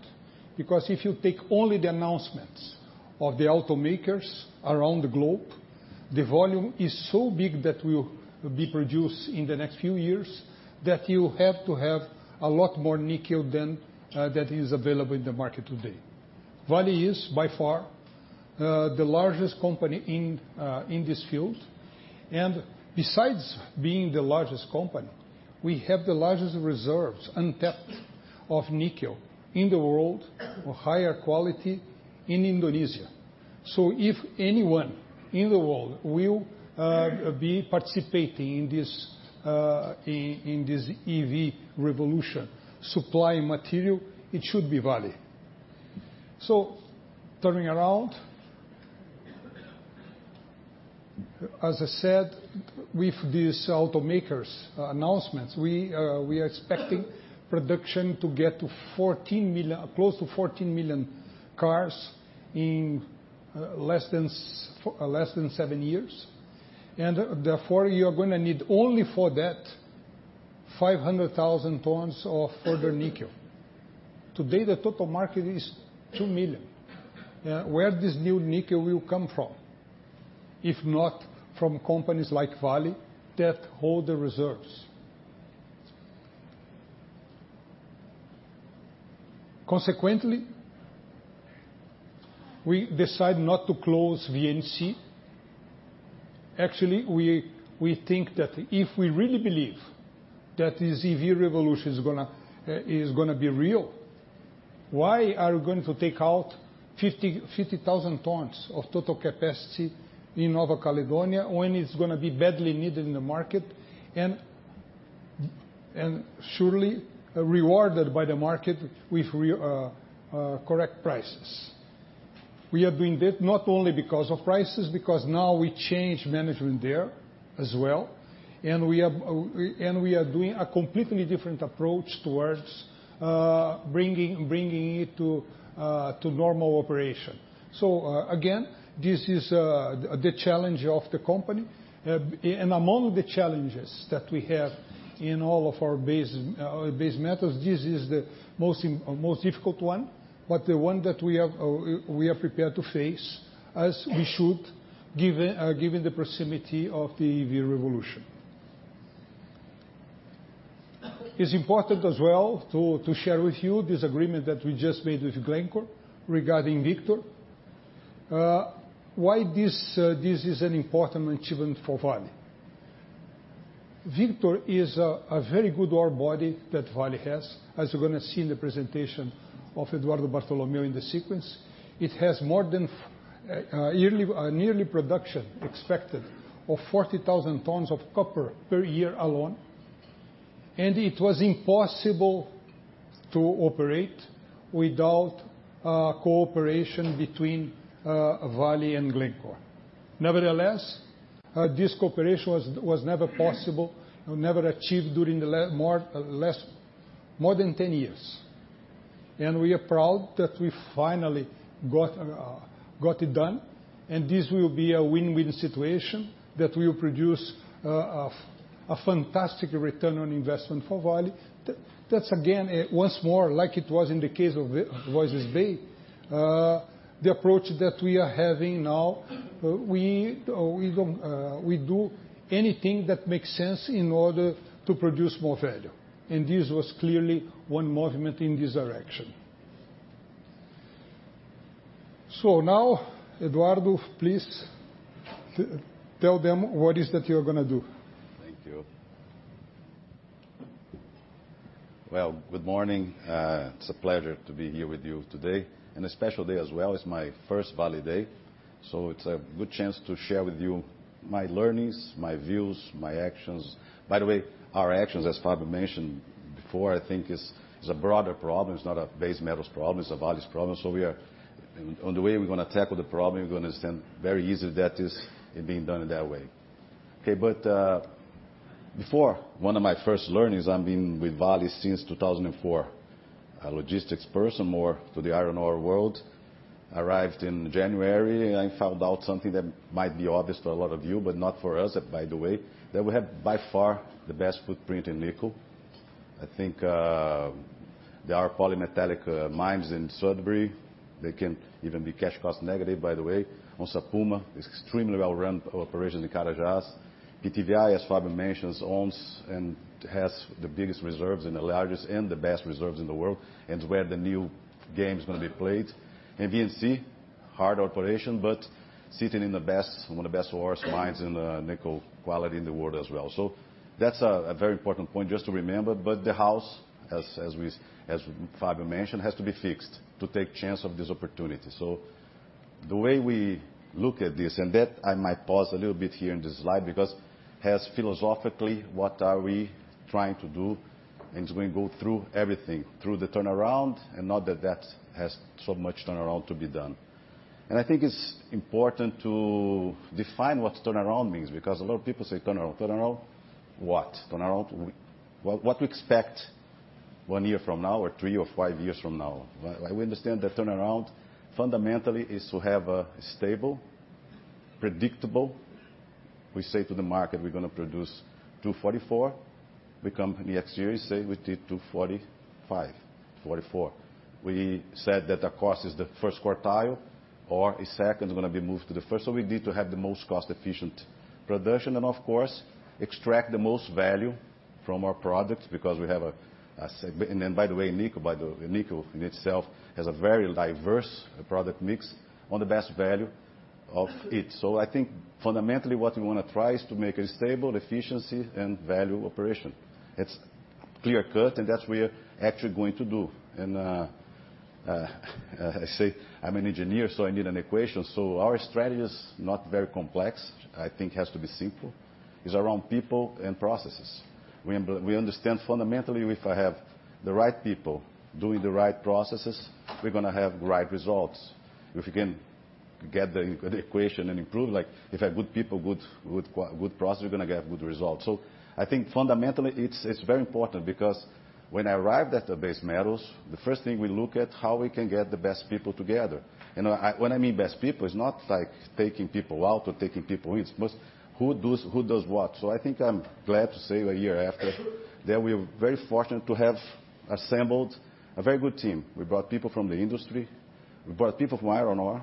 Because if you take only the announcements of the automakers around the globe, the volume is so big that will be produced in the next few years that you have to have a lot more nickel than that is available in the market today. Vale is by far the largest company in this field. Besides being the largest company, we have the largest reserves untapped of nickel in the world, of higher quality in Indonesia. If anyone in the world will be participating in this EV revolution, supplying material, it should be Vale. Turning around. As I said, with these automakers' announcements, we are expecting production to get close to 14 million cars in less than seven years. You're going to need only for that 500,000 tons of further nickel. Today, the total market is $2 million. Where this new nickel will come from, if not from companies like Vale that hold the reserves. Consequently, we decide not to close VNC. Actually, we think that if we really believe that this EV revolution is going to be real, why are we going to take out 50,000 tons of total capacity in New Caledonia when it's going to be badly needed in the market and surely rewarded by the market with correct prices. We are doing that not only because of prices, because now we change management there as well, and we are doing a completely different approach towards bringing it to normal operation. Again, this is the challenge of the company. Among the challenges that we have in all of our base metals, this is the most difficult one, but the one that we are prepared to face as we should, given the proximity of the EV revolution. It's important as well to share with you this agreement that we just made with Glencore regarding Victor. Why this is an important achievement for Vale. Victor is a very good ore body that Vale has, as you're going to see in the presentation of Eduardo Bartolomeo in the sequence. It has more than yearly production expected of 40,000 tons of copper per year alone, and it was impossible to operate without cooperation between Vale and Glencore. Nevertheless, this cooperation was never possible, never achieved during the more than 10 years. We are proud that we finally got it done, and this will be a win-win situation that will produce a fantastic return on investment for Vale. That's again, once more, like it was in the case of Voisey's Bay, the approach that we are having now, we do anything that makes sense in order to produce more value, and this was clearly one movement in this direction. Now, Eduardo, please tell them what is that you're going to do. Thank you. Well, good morning. It's a pleasure to be here with you today, and a special day as well. It's my first Vale Day, it's a good chance to share with you my learnings, my views, my actions. By the way, our actions, as Fábio mentioned before, I think is a broader problem. It's not a base metal problem, it's a Vale's problem. On the way we're going to tackle the problem, you're going to understand very easily that is being done in that way. Okay, before, one of my first learnings, I've been with Vale since 2004. A logistics person more to the iron ore world. Arrived in January and found out something that might be obvious to a lot of you, but not for us, by the way, that we have by far the best footprint in nickel. I think there are polymetallic mines in Sudbury. They can even be cash cost negative, by the way. On Onça Puma, extremely well-run operation in Carajás. PTVI, as Fábio mentions, owns and has the biggest reserves and the largest and the best reserves in the world and where the new game's going to be played. In VNC, hard operation, but sitting in one of the best ore mines in the nickel quality in the world as well. That's a very important point just to remember, but the house, as Fábio mentioned, has to be fixed to take chance of this opportunity. The way we look at this, and that I might pause a little bit here in this slide because as philosophically, what are we trying to do, and it's going to go through everything, through the turnaround and not that that has so much turnaround to be done. I think it's important to define what turnaround means because a lot of people say turnaround. Turnaround what? What we expect one year from now or three or five years from now. We understand that turnaround fundamentally is to have a stable, predictable. We say to the market, we're going to produce 244. We come in the next year, we say we did 245, 244. We said that the cost is the first quartile or a second is going to be moved to the first. We need to have the most cost-efficient production and of course, extract the most value from our products because we have a very diverse product mix on the best value of it. I think fundamentally what we want to try is to make a stable efficiency and value operation. It's clear-cut, that's we're actually going to do. I say I'm an engineer, I need an equation. Our strategy is not very complex. I think it has to be simple. It's around people and processes. We understand fundamentally, if I have the right people doing the right processes, we're going to have the right results. If you can get the equation and improve, like if I have good people, good process, we're going to get good results. I think fundamentally, it's very important because when I arrived at the base metals, the first thing we look at how we can get the best people together. What I mean best people, it's not like taking people out or taking people in, it's who does what. I think I'm glad to say that a year after that we're very fortunate to have assembled a very good team. We brought people from the industry, we brought people from iron ore,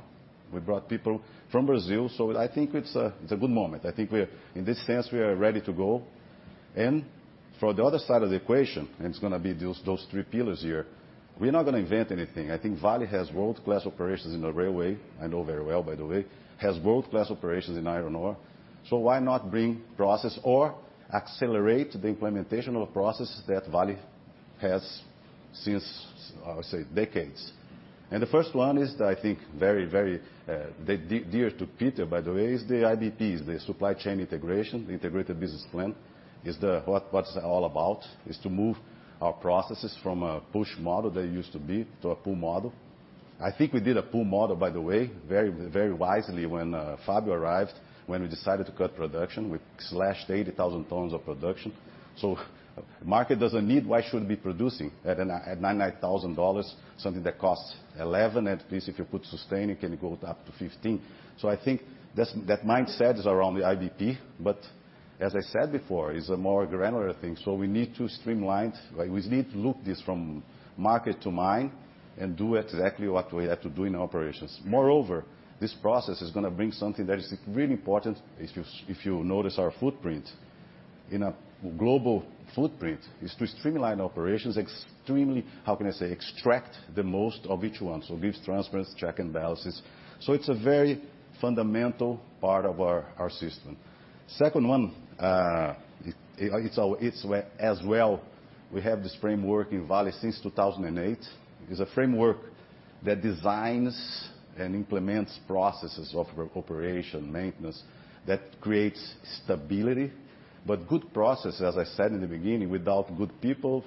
we brought people from Brazil. I think it's a good moment. I think in this sense, we are ready to go. For the other side of the equation, it's going to be those three pillars here. We're not going to invent anything. I think Vale has world-class operations in the railway, I know very well, by the way, has world-class operations in iron ore. Why not bring process or accelerate the implementation of a process that Vale has since, I would say, decades. The first one is, I think very, very dear to Peter, by the way, is the IBPs, the supply chain integration, integrated business plan is what it is all about is to move our processes from a push model that it used to be to a pull model. I think we did a pull model, by the way, very wisely when Fabio arrived, when we decided to cut production. We slashed 80,000 tons of production. If the market doesn't need, why should we be producing at $99,000 something that costs 11 at least if you put sustain, it can go up to 15. I think that mindset is around the IBP, it is a more granular thing. We need to streamline. We need to look this from market to mine and do exactly what we have to do in operations. Moreover, this process is going to bring something that is really important, if you notice our footprint in a global footprint, is to streamline operations extremely, how can I say, extract the most of each one. It gives transparency, checks and balances. It is a very fundamental part of our system. Second one, as well, we have this framework in Vale since 2008, is a framework that designs and implements processes of operations and maintenance that creates stability. Good processes, as I said in the beginning, without good people,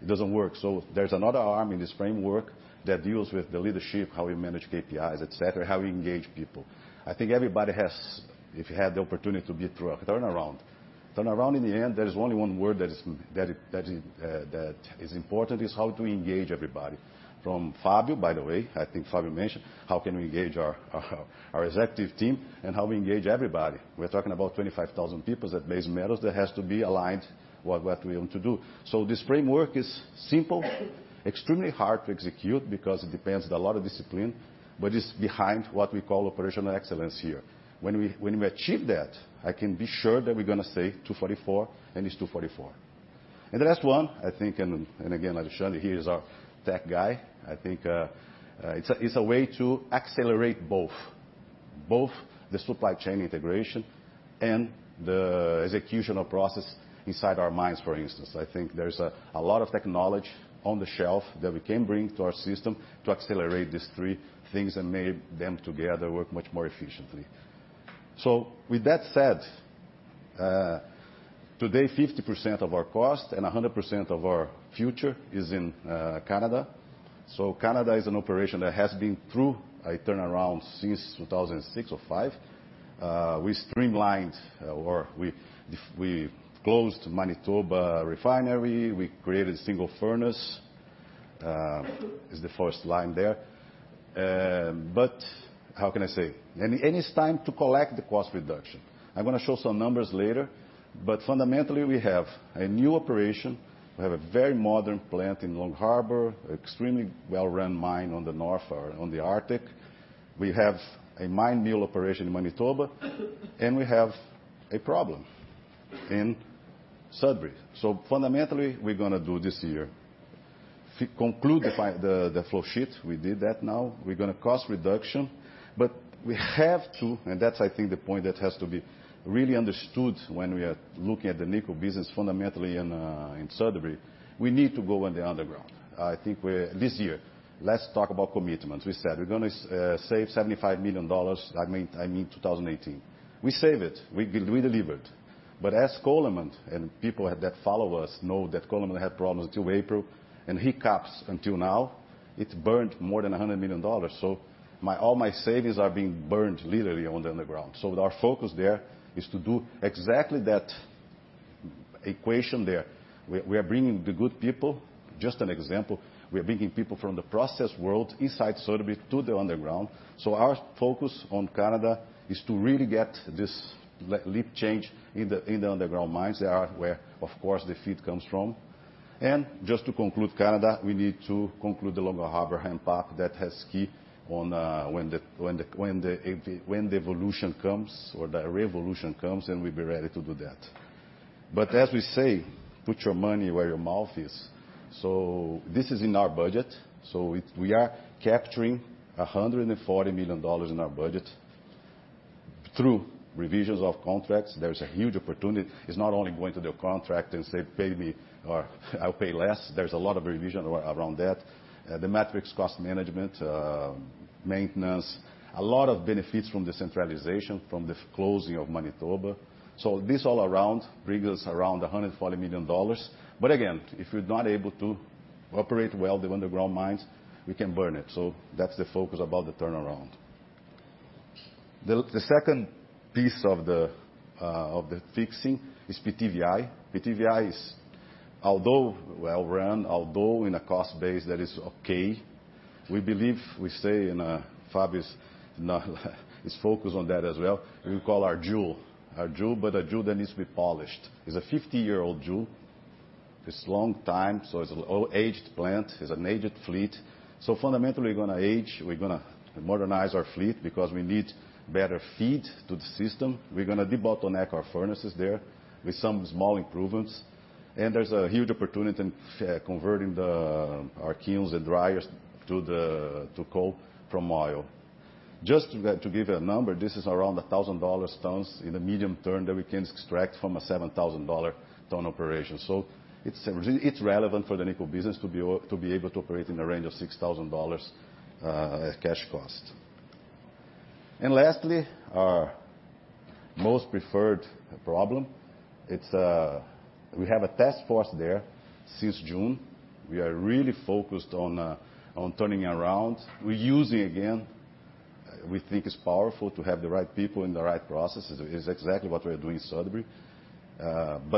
it doesn't work. There is another arm in this framework that deals with the leadership, how we manage KPIs, et cetera, how we engage people. I think everybody has, if you had the opportunity to get through a turnaround. Turnaround in the end, there is only one word that is important is how do we engage everybody. From Fabio, by the way, I think Fabio mentioned, how can we engage our executive team and how we engage everybody. We are talking about 25,000 people at Base Metals that has to be aligned what we want to do. This framework is simple, extremely hard to execute because it depends on a lot of discipline, it is behind what we call operational excellence here. When we achieve that, I can be sure that we are going to say 244, and it is 244. The last one, I think, and again, Alessandro here is our tech guy, I think it is a way to accelerate both. Both the supply chain integration and the execution of processes inside our mines, for instance. I think there is a lot of technology on the shelf that we can bring to our system to accelerate these three things and make them together work much more efficiently. With that said, today 50% of our cost and 100% of our future is in Canada. Canada is an operation that has been through a turnaround since 2006 or 2005. We streamlined or we closed Manitoba Refinery, we created single furnace, is the first line there. How can I say? It is time to collect the cost reduction. I am going to show some numbers later, fundamentally, we have a new operation. We have a very modern plant in Long Harbour, extremely well-run mine on the north or on the Arctic. We have a mine mill operation in Manitoba, and we have a problem in Sudbury. Fundamentally, we are going to do this year. Conclude the flow sheet. We did that now. We're going to cost reduction, we have to, and that's I think the point that has to be really understood when we are looking at the nickel business fundamentally in Sudbury. We need to go in the underground. I think this year, let's talk about commitment. We said we're going to save $75 million, I mean 2018. We save it. We delivered. As Coleman and people that follow us know that Coleman had problems until April, and hiccups until now. It's burned more than $100 million. All my savings are being burned literally on the underground. Our focus there is to do exactly that equation there. We are bringing the good people. Just an example. We are bringing people from the process world inside Sudbury to the underground. Our focus on Canada is to really get this leap change in the underground mines there where, of course, the feed comes from. Just to conclude Canada, we need to conclude the Long Harbour ramp-up that has key on when the evolution comes or the revolution comes, and we'll be ready to do that. As we say, put your money where your mouth is. This is in our budget. We are capturing $140 million in our budget through revisions of contracts. There is a huge opportunity. It's not only going to the contract and say, "Pay me" or "I'll pay less." There's a lot of revision around that. The matrix cost management, maintenance, a lot of benefits from the centralization, from the closing of Manitoba. This all around brings us around $140 million. Again, if we're not able to operate well the underground mines, we can burn it. That's the focus about the turnaround. The second piece of the fixing is PTVI. PTVI is, although well-run, although in a cost base that is okay, we believe we say, and Fábio is focused on that as well. We call our jewel. Our jewel, but a jewel that needs to be polished. It's a 50-year-old jewel. It's long time, so it's an aged plant. It's an aged fleet. Fundamentally, we're going to age, we're going to modernize our fleet because we need better feed to the system. We're going to debottleneck our furnaces there with some small improvements. There's a huge opportunity in converting our kilns and dryers to coal from oil. Just to give you a number, this is around $1,000/ton in the medium term that we can extract from a $7,000/ton operation. It's relevant for the nickel business to be able to operate in the range of $6,000 cash cost. Lastly, our most preferred problem. We have a task force there since June. We are really focused on turning around. We're using again, we think it's powerful to have the right people and the right processes. It's exactly what we are doing in Sudbury.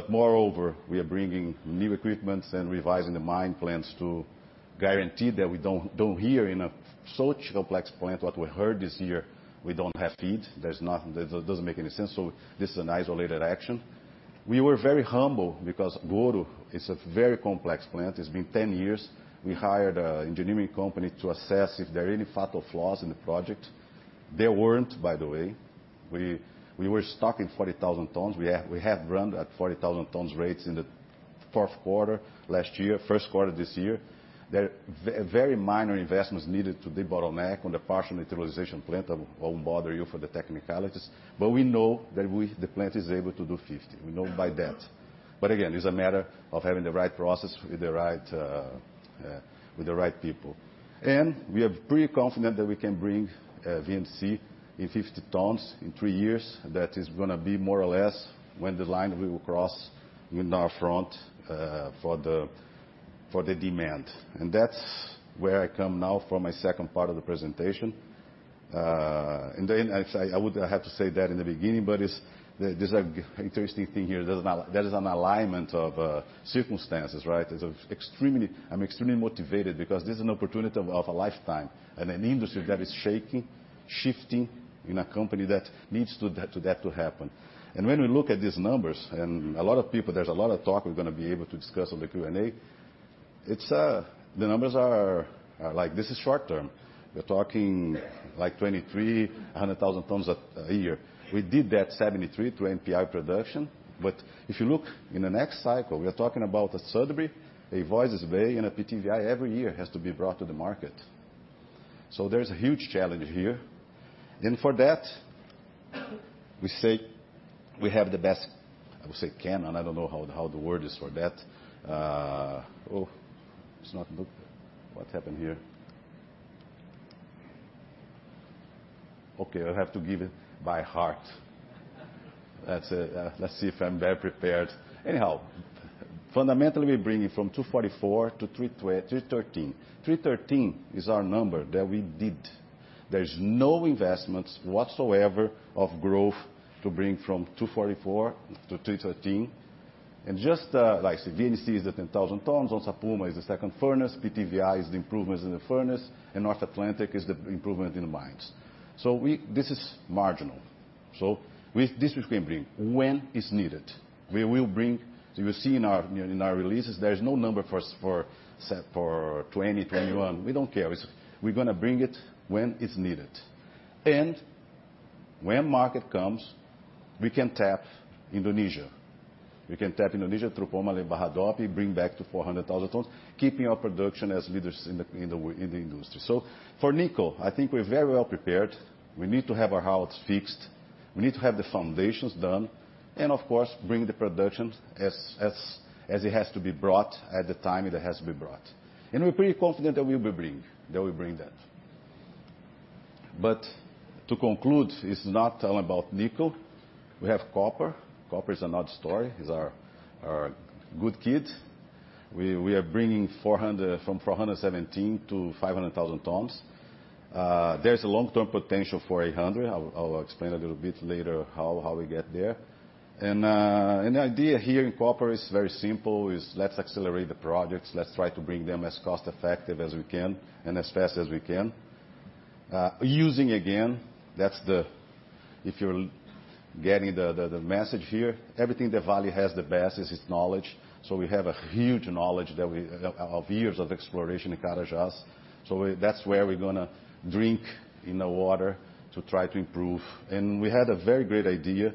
Moreover, we are bringing new equipments and revising the mine plans to guarantee that we don't hear in a such complex plant what we heard this year. We don't have feed. That doesn't make any sense. This is an isolated action. We were very humble because Goro is a very complex plant. It's been 10 years. We hired an engineering company to assess if there are any fatal flaws in the project. There weren't, by the way. We were stocking 40,000 tons. We have run at 40,000 tons rates in the fourth quarter last year, first quarter this year. There are very minor investments needed to debottleneck on the partial neutralization plant. I won't bother you for the technicalities, but we know that the plant is able to do 50. We know by that. Again, it's a matter of having the right process with the right people. We are pretty confident that we can bring VNC in 50 tons in three years. That is going to be more or less when the line we will cross in our front for the demand. That's where I come now for my second part of the presentation. I would have to say that in the beginning, there's an interesting thing here. There is an alignment of circumstances, right? I'm extremely motivated because this is an opportunity of a lifetime in an industry that is shaking, shifting, in a company that needs that to happen. When we look at these numbers, and a lot of people, there's a lot of talk we're going to be able to discuss on the Q&A. The numbers are like, this is short-term. We're talking like 23, 100,000 tons a year. We did that 73 through NPI production. If you look in the next cycle, we are talking about a Sudbury, a Voisey's Bay, and a PTVI every year has to be brought to the market. There's a huge challenge here. For that, we say we have the best, I would say can, I don't know how the word is for that. Oh, it's not moving. What happened here? Okay, I have to give it by heart. Let's see if I'm well prepared. Anyhow, fundamentally, we're bringing from 244 to 313. 313 is our number that we did. There's no investments whatsoever of growth to bring from 244 to 313. Just like VNC is at 10,000 tons, Onça Puma is the second furnace, PTVI is the improvements in the furnace, and North Atlantic is the improvement in the mines. This is marginal. With this we can bring when it's needed. We will bring. You see in our releases, there is no number set for 2020, 2021. We don't care. We're going to bring it when it's needed. When market comes, we can tap Indonesia. We can tap Indonesia through Pomalaa and Bahodopi, bring back to 400,000 tons, keeping our production as leaders in the industry. For nickel, I think we're very well prepared. We need to have our house fixed. We need to have the foundations done, and of course, bring the production as it has to be brought at the time that it has to be brought. We're pretty confident that we will bring that. To conclude, it's not all about nickel. We have copper. Copper is another story. It's our good kid. We are bringing from 417 to 500,000 tons. There's a long-term potential for 800. I'll explain a little bit later how we get there. The idea here in copper is very simple, is let's accelerate the projects. Let's try to bring them as cost-effective as we can and as fast as we can. Using again, that's the. If you're getting the message here, everything that Vale has the best is its knowledge. We have a huge knowledge of years of exploration in Carajás. That's where we're going to drink in the water to try to improve. We had a very great idea.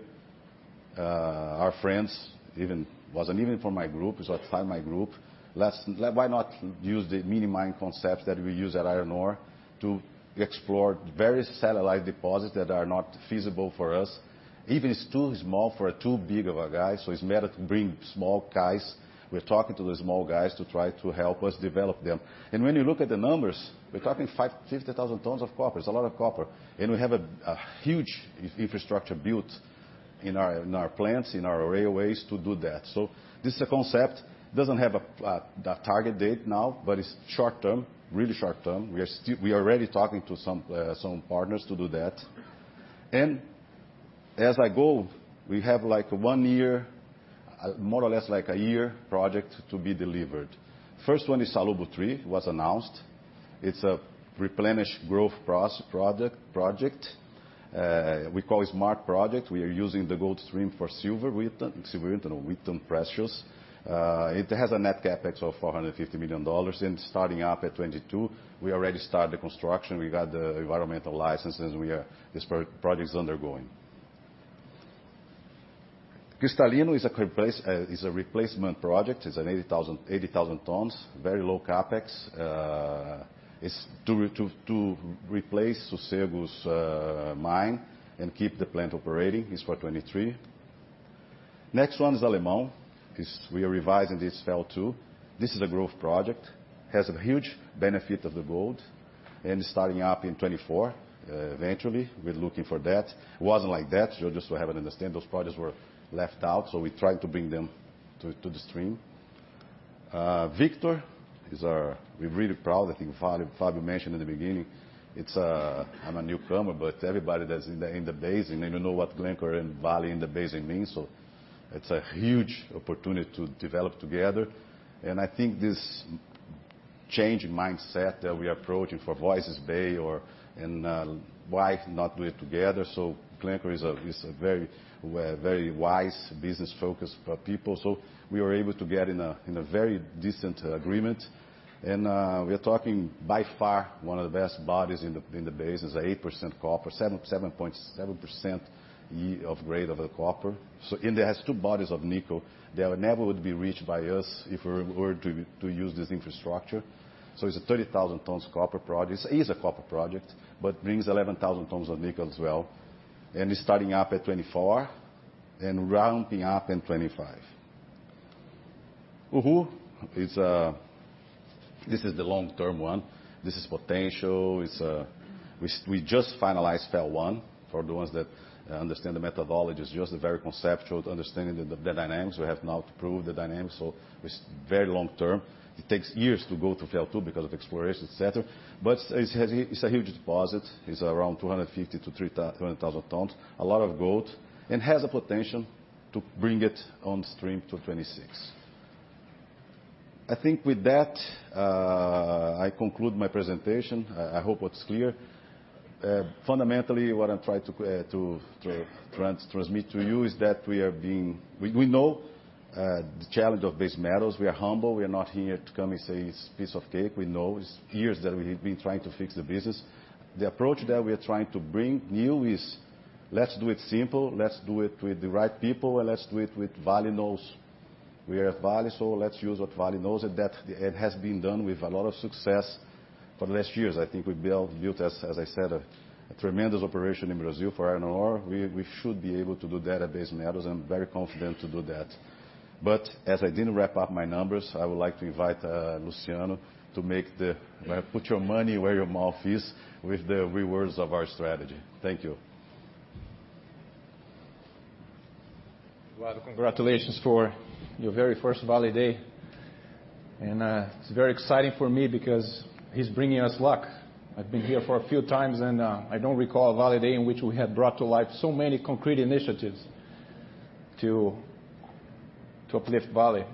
Our friends, it wasn't even from my group. It was outside my group. Why not use the mini mine concepts that we use at iron ore to explore various satellite deposits that are not feasible for us? Even it's too small for too big of a guy, so it's better to bring small guys. We're talking to the small guys to try to help us develop them. When you look at the numbers, we're talking 550,000 tons of copper. It's a lot of copper. We have a huge infrastructure built in our plants, in our railways to do that. This is a concept. It doesn't have a target date now, but it's short-term, really short-term. We are already talking to some partners to do that. As I go, we have one year, more or less like a year project to be delivered. First one is Salobo-III, was announced. It's a replenish growth project. We call it smart project. We are using the gold stream for silver, we turn precious. It has a net CapEx of $450 million and starting up at 2022, we already start the construction. We got the environmental licenses. This project is undergoing. Cristalino is a replacement project. It's an 80,000 tons, very low CapEx. It's to replace Sossego's mine and keep the plant operating. It's for 2023. Next one is Alemão. We are revising this phase II. This is a growth project. Has a huge benefit of the gold, starting up in 2024. Eventually, we're looking for that. It wasn't like that. You just have to understand those projects were left out, we tried to bring them to the stream. Victor, we're really proud. I think Fábio mentioned in the beginning. I'm a newcomer, but everybody that's in the basin, they know what Glencore and Vale in the basin means. It's a huge opportunity to develop together. I think this change in mindset that we are approaching for Voisey's Bay and why not do it together. Glencore is a very wise business-focused people. We were able to get in a very decent agreement. We're talking by far one of the best bodies in the basin. It's an 8% copper, 7.7% grade of the copper. In there it has two bodies of nickel that would never be reached by us if we were to use this infrastructure. It's a 30,000 tons copper project. It is a copper project, but brings 11,000 tons of nickel as well. It's starting up at 2024 and ramping up in 2025. Uhu, this is the long-term one. This is potential. We just finalized phase I for the ones that understand the methodology. It's just a very conceptual to understanding the dynamics. We have now to prove the dynamics, it's very long-term. It takes years to go through phase II because of exploration, et cetera. It's a huge deposit. It's around 250,000-300,000 tons. A lot of gold, has a potential to bring it on stream to 2026. I think with that, I conclude my presentation. I hope it's clear. Fundamentally, what I'm trying to transmit to you is that we know the challenge of base metals. We are humble. We are not here to come and say it's piece of cake. We know it's years that we've been trying to fix the business. The approach that we are trying to bring new is let's do it simple, let's do it with the right people, and let's do it with Vale knows we are at Vale, so let's use what Vale knows, and that it has been done with a lot of success for the last years. I think we built, as I said, a tremendous operation in Brazil for iron ore. We should be able to do that at base metals. I'm very confident to do that. As I didn't wrap up my numbers, I would like to invite Luciano to put your money where your mouth is with the rewards of our strategy. Thank you. Eduardo, congratulations for your very first Vale Day. It's very exciting for me because he's bringing us luck. I've been here for a few times, and I don't recall a Vale Day in which we have brought to life so many concrete initiatives to uplift Vale.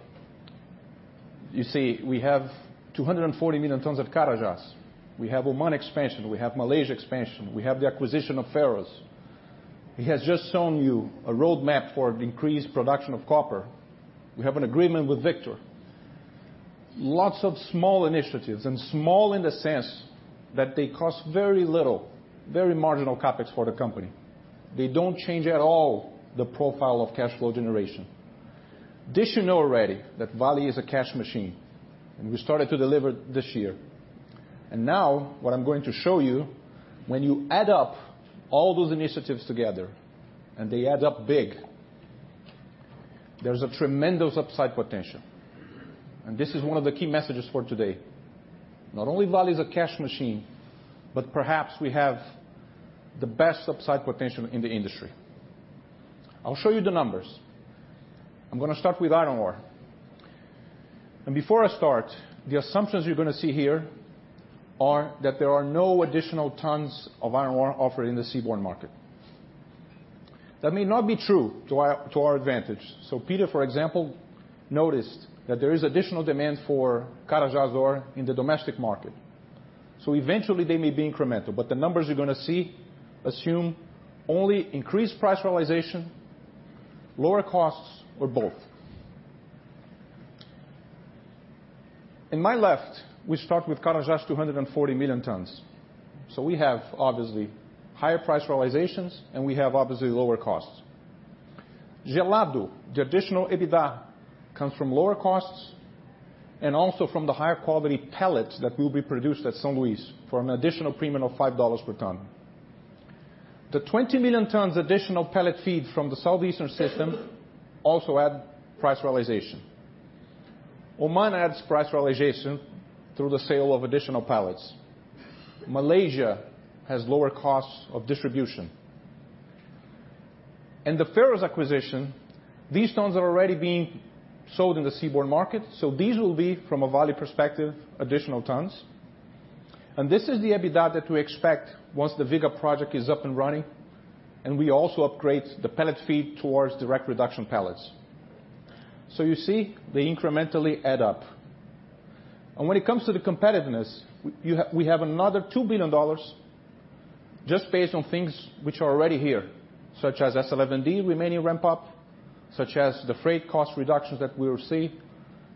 You see, we have 240 million tons of Carajás. We have Oman expansion. We have Malaysia expansion. We have the acquisition of Ferrous. He has just shown you a roadmap for increased production of copper. We have an agreement with Victor. Lots of small initiatives, and small in the sense that they cost very little, very marginal CapEx for the company. They don't change at all the profile of cash flow generation. This you know already, that Vale is a cash machine, and we started to deliver this year. Now what I'm going to show you, when you add up all those initiatives together, and they add up big, there's a tremendous upside potential. This is one of the key messages for today. Not only Vale is a cash machine, but perhaps we have the best upside potential in the industry. I'll show you the numbers. I'm going to start with iron ore. Before I start, the assumptions you're going to see here are that there are no additional tons of iron ore offered in the seaborne market. That may not be true to our advantage. Peter, for example, noticed that there is additional demand for Carajás ore in the domestic market. Eventually they may be incremental, but the numbers you're going to see assume only increased price realization, lower costs, or both. In my left, we start with Carajás, 240 million tons. We have obviously higher price realizations, and we have obviously lower costs. Gelado, the additional EBITDA comes from lower costs and also from the higher quality pellets that will be produced at São Luís for an additional premium of $5 per ton. The 20 million tons additional pellet feed from the Southeastern system also add price realization. Oman adds price realization through the sale of additional pellets. Malaysia has lower costs of distribution. The Ferrous acquisition, these tons are already being sold in the seaborne market, these will be, from a Vale perspective, additional tons. This is the EBITDA that we expect once the Vega project is up and running, and we also upgrade the pellet feed towards direct reduction pellets. You see, they incrementally add up. When it comes to the competitiveness, we have another $2 billion just based on things which are already here, such as S11D remaining ramp-up, such as the freight cost reductions that we will see,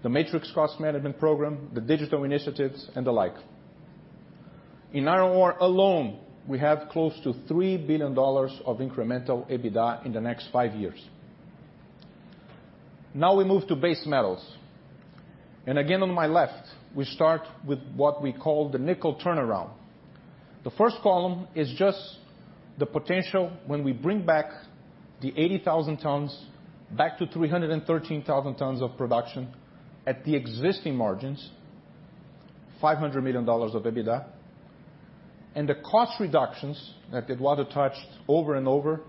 the matrix cost management program, the digital initiatives, and the like. In iron ore alone, we have close to $3 billion of incremental EBITDA in the next five years. We move to base metals. Again, on my left, we start with what we call the nickel turnaround. The first column is just the potential when we bring back the 80,000 tons back to 313,000 tons of production at the existing margins, $500 million of EBITDA. The cost reductions that Eduardo touched over and over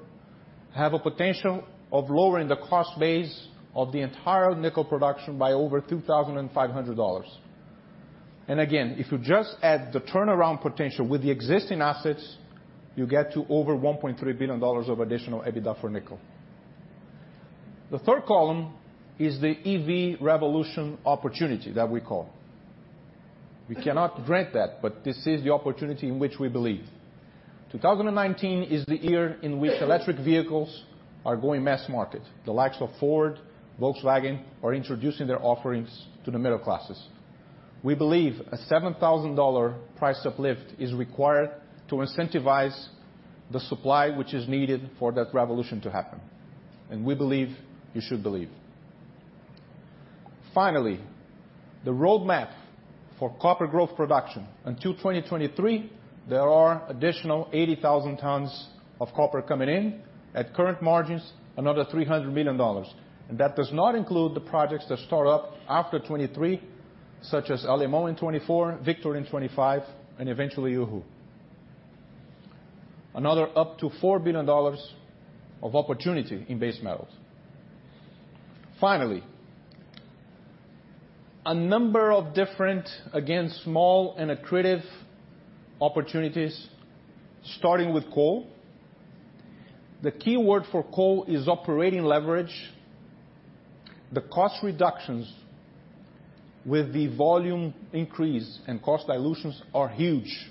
have a potential of lowering the cost base of the entire nickel production by over $2,500. Again, if you just add the turnaround potential with the existing assets, you get to over $1.3 billion of additional EBITDA for nickel. The third column is the EV revolution opportunity that we call. We cannot grant that, this is the opportunity in which we believe. 2019 is the year in which electric vehicles are going mass market. The likes of Ford, Volkswagen are introducing their offerings to the middle classes. We believe a $7,000 price uplift is required to incentivize the supply which is needed for that revolution to happen. We believe you should believe. Finally, the roadmap for copper growth production. Until 2023, there are additional 80,000 tons of copper coming in. At current margins, another $300 million. That does not include the projects that start up after 2023, such as Alemão in 2024, Victor in 2025, and eventually Uhu. Another up to $4 billion of opportunity in base metals. Finally, a number of different, again, small and accretive opportunities, starting with coal. The key word for coal is operating leverage. The cost reductions with the volume increase and cost dilutions are huge,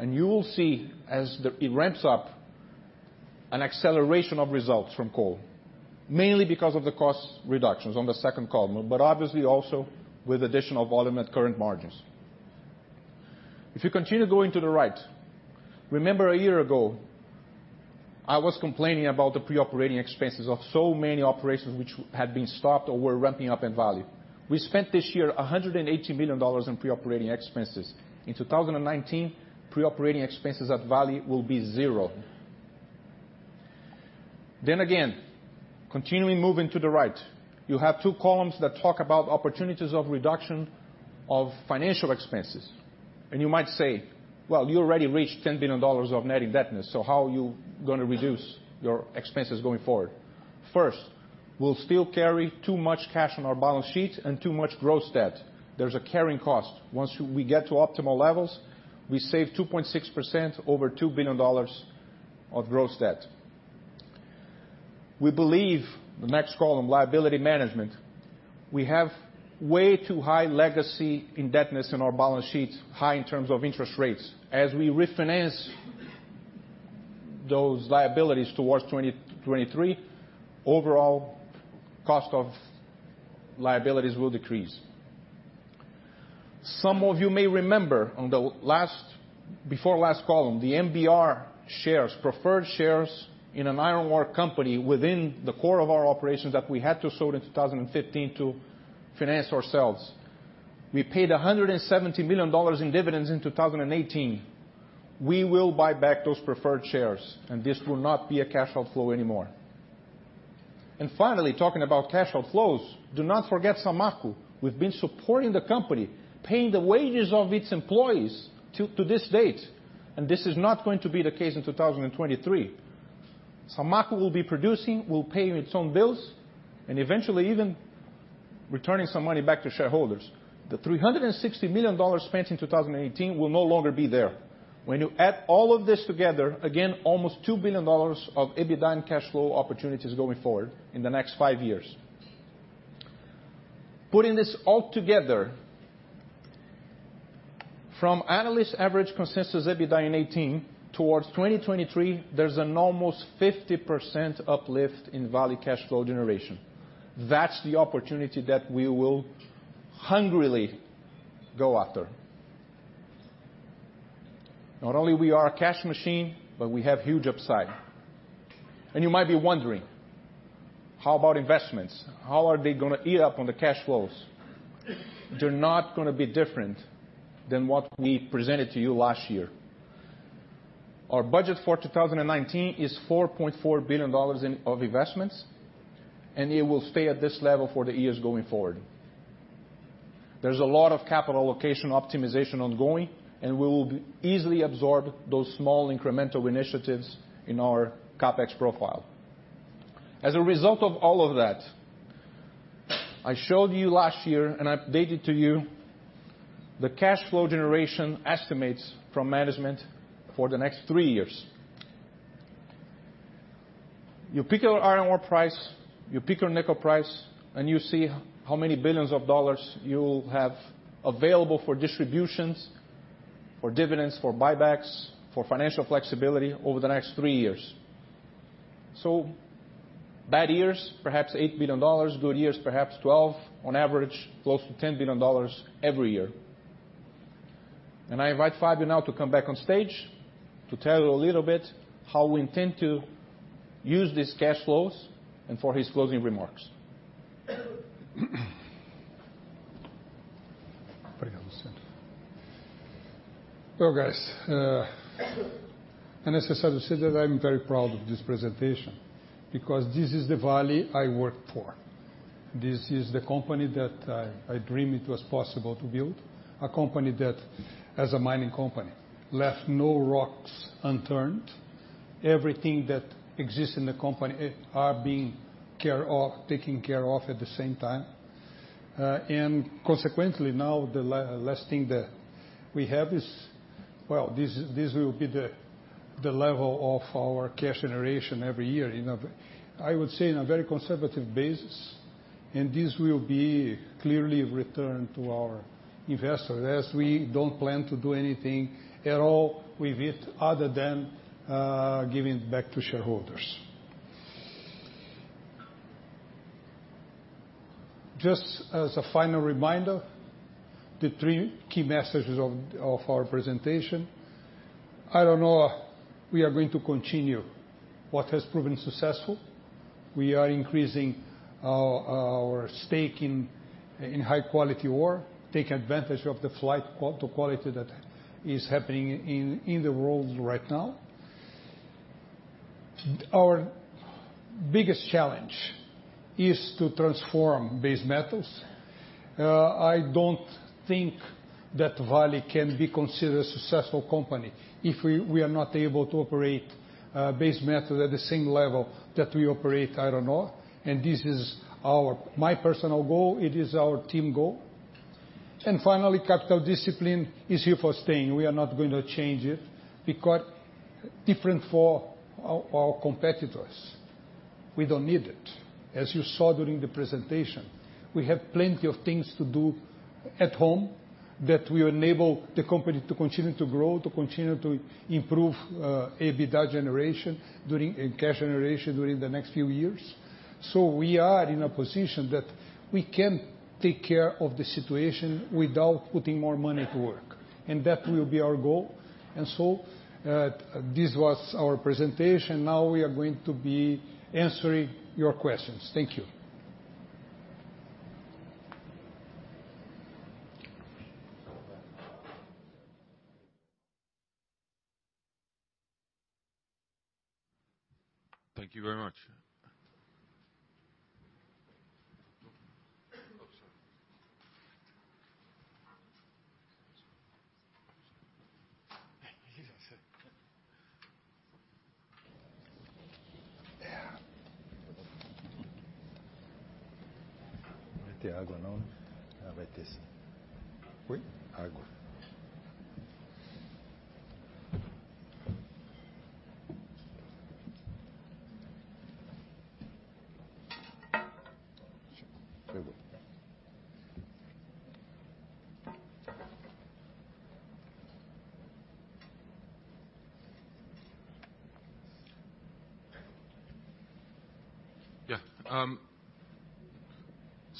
you will see as it ramps up an acceleration of results from coal, mainly because of the cost reductions on the second column, obviously also with additional volume at current margins. If you continue going to the right, remember a year ago, I was complaining about the pre-operating expenses of so many operations which had been stopped or were ramping up in Vale. We spent this year $180 million in pre-operating expenses. In 2019, pre-operating expenses at Vale will be 0. Continuing moving to the right, you have 2 columns that talk about opportunities of reduction of financial expenses. You might say, "Well, you already reached $10 billion of net indebtedness, how are you going to reduce your expenses going forward?" First, we'll still carry too much cash on our balance sheet and too much gross debt. There's a carrying cost. Once we get to optimal levels, we save 2.6%, over $2 billion of gross debt. We believe the next column, liability management, we have way too high legacy indebtedness in our balance sheet, high in terms of interest rates. We refinance those liabilities towards 2023, overall cost of liabilities will decrease. Some of you may remember on the before last column, the MBR shares, preferred shares in an iron ore company within the core of our operations that we had to sold in 2015 to finance ourselves. We paid $117 million in dividends in 2018. We will buy back those preferred shares, this will not be a cash outflow anymore. Finally, talking about cash outflows, do not forget Samarco. We've been supporting the company, paying the wages of its employees to this date, this is not going to be the case in 2023. Samarco will be producing, will pay its own bills, eventually even returning some money back to shareholders. The $360 million spent in 2018 will no longer be there. When you add all of this together, again, almost $2 billion of EBITDA and cash flow opportunities going forward in the next five years. Putting this all together, from analyst average consensus EBITDA in 2018 towards 2023, there's an almost 50% uplift in Vale cash flow generation. That's the opportunity that we will hungrily go after. Not only we are a cash machine, we have huge upside. You might be wondering, how about investments? How are they going to eat up on the cash flows? They're not going to be different than what we presented to you last year. Our budget for 2019 is $4.4 billion of investments, it will stay at this level for the years going forward. There's a lot of capital allocation optimization ongoing, we will easily absorb those small incremental initiatives in our CapEx profile. As a result of all of that, I showed you last year, I updated to you the cash flow generation estimates from management for the next three years. You pick your iron ore price, you pick your nickel price, you see how many billions of dollars you will have available for distributions, for dividends, for buybacks, for financial flexibility over the next three years. Bad years, perhaps $8 billion. Good years, perhaps $12 billion. On average, close to $10 billion every year. I invite Fabio now to come back on stage to tell you a little bit how we intend to use these cash flows, and for his closing remarks. Well, guys, unnecessary to say that I'm very proud of this presentation because this is the Vale I worked for. This is the company that I dreamed it was possible to build. A company that, as a mining company, left no rocks unturned. Everything that exists in the company are being taken care of at the same time. Consequently, now the last thing that we have is, well, this will be the level of our cash generation every year in November. I would say in a very conservative basis, this will be clearly returned to our investors, as we don't plan to do anything at all with it other than giving it back to shareholders. Just as a final reminder, the three key messages of our presentation. Iron ore, we are going to continue what has proven successful. We are increasing our stake in high quality ore, taking advantage of the flight to quality that is happening in the world right now. Our biggest challenge is to transform base metals. I don't think that Vale can be considered a successful company if we are not able to operate base metal at the same level that we operate iron ore. This is my personal goal. It is our team goal. Finally, capital discipline is here for staying. We are not going to change it because different for our competitors, we don't need it. As you saw during the presentation, we have plenty of things to do at home that will enable the company to continue to grow, to continue to improve EBITDA generation and cash generation during the next few years. We are in a position that we can take care of the situation without putting more money to work, and that will be our goal. This was our presentation. Now we are going to be answering your questions. Thank you. Thank you very much. Yeah. Very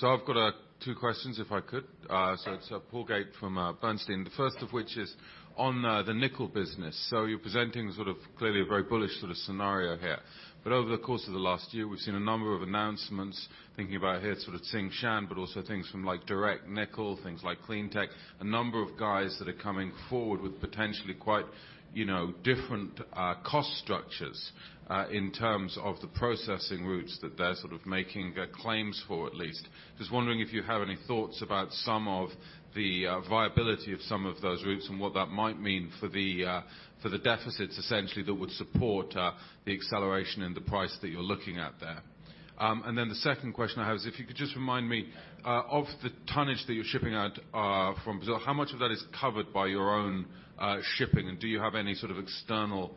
good. I've got two questions, if I could. It's Paul Gait from Bernstein, the first of which is on the nickel business. You're presenting sort of clearly a very bullish sort of scenario here. Over the course of the last year, we've seen a number of announcements, thinking about here sort of Tsingshan, but also things from like Direct Nickel, things like Clean TeQ, a number of guys that are coming forward with potentially quite different cost structures, in terms of the processing routes that they're sort of making claims for at least. Just wondering if you have any thoughts about some of the viability of some of those routes and what that might mean for the deficits essentially that would support the acceleration in the price that you're looking at there. The second question I have is, if you could just remind me, of the tonnage that you're shipping out from Brazil, how much of that is covered by your own shipping, and do you have any sort of external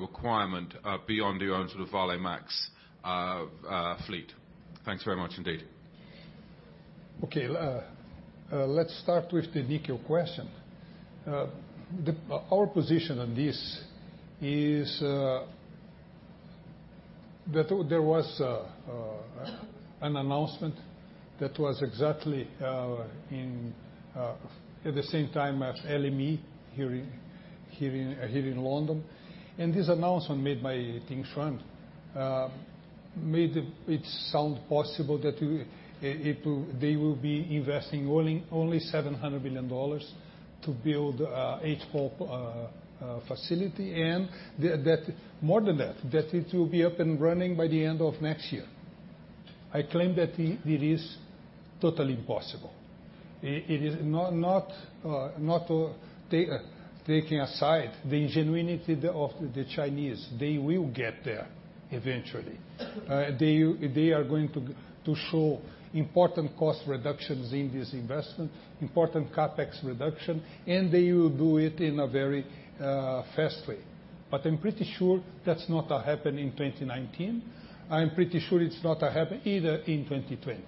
requirement beyond your own sort of Valemax fleet? Thanks very much indeed. Okay. Let's start with the nickel question. Our position on this is that there was an announcement that was exactly at the same time as LME here in London. This announcement made by Tsingshan made it sound possible that they will be investing only $700 million to build a H4 facility, and more than that it will be up and running by the end of next year. I claim that it is totally impossible. Taking aside the ingenuity of the Chinese, they will get there eventually. They are going to show important cost reductions in this investment, important CapEx reduction, and they will do it in a very fast way. I'm pretty sure that's not happening in 2019. I'm pretty sure it's not happening either in 2020.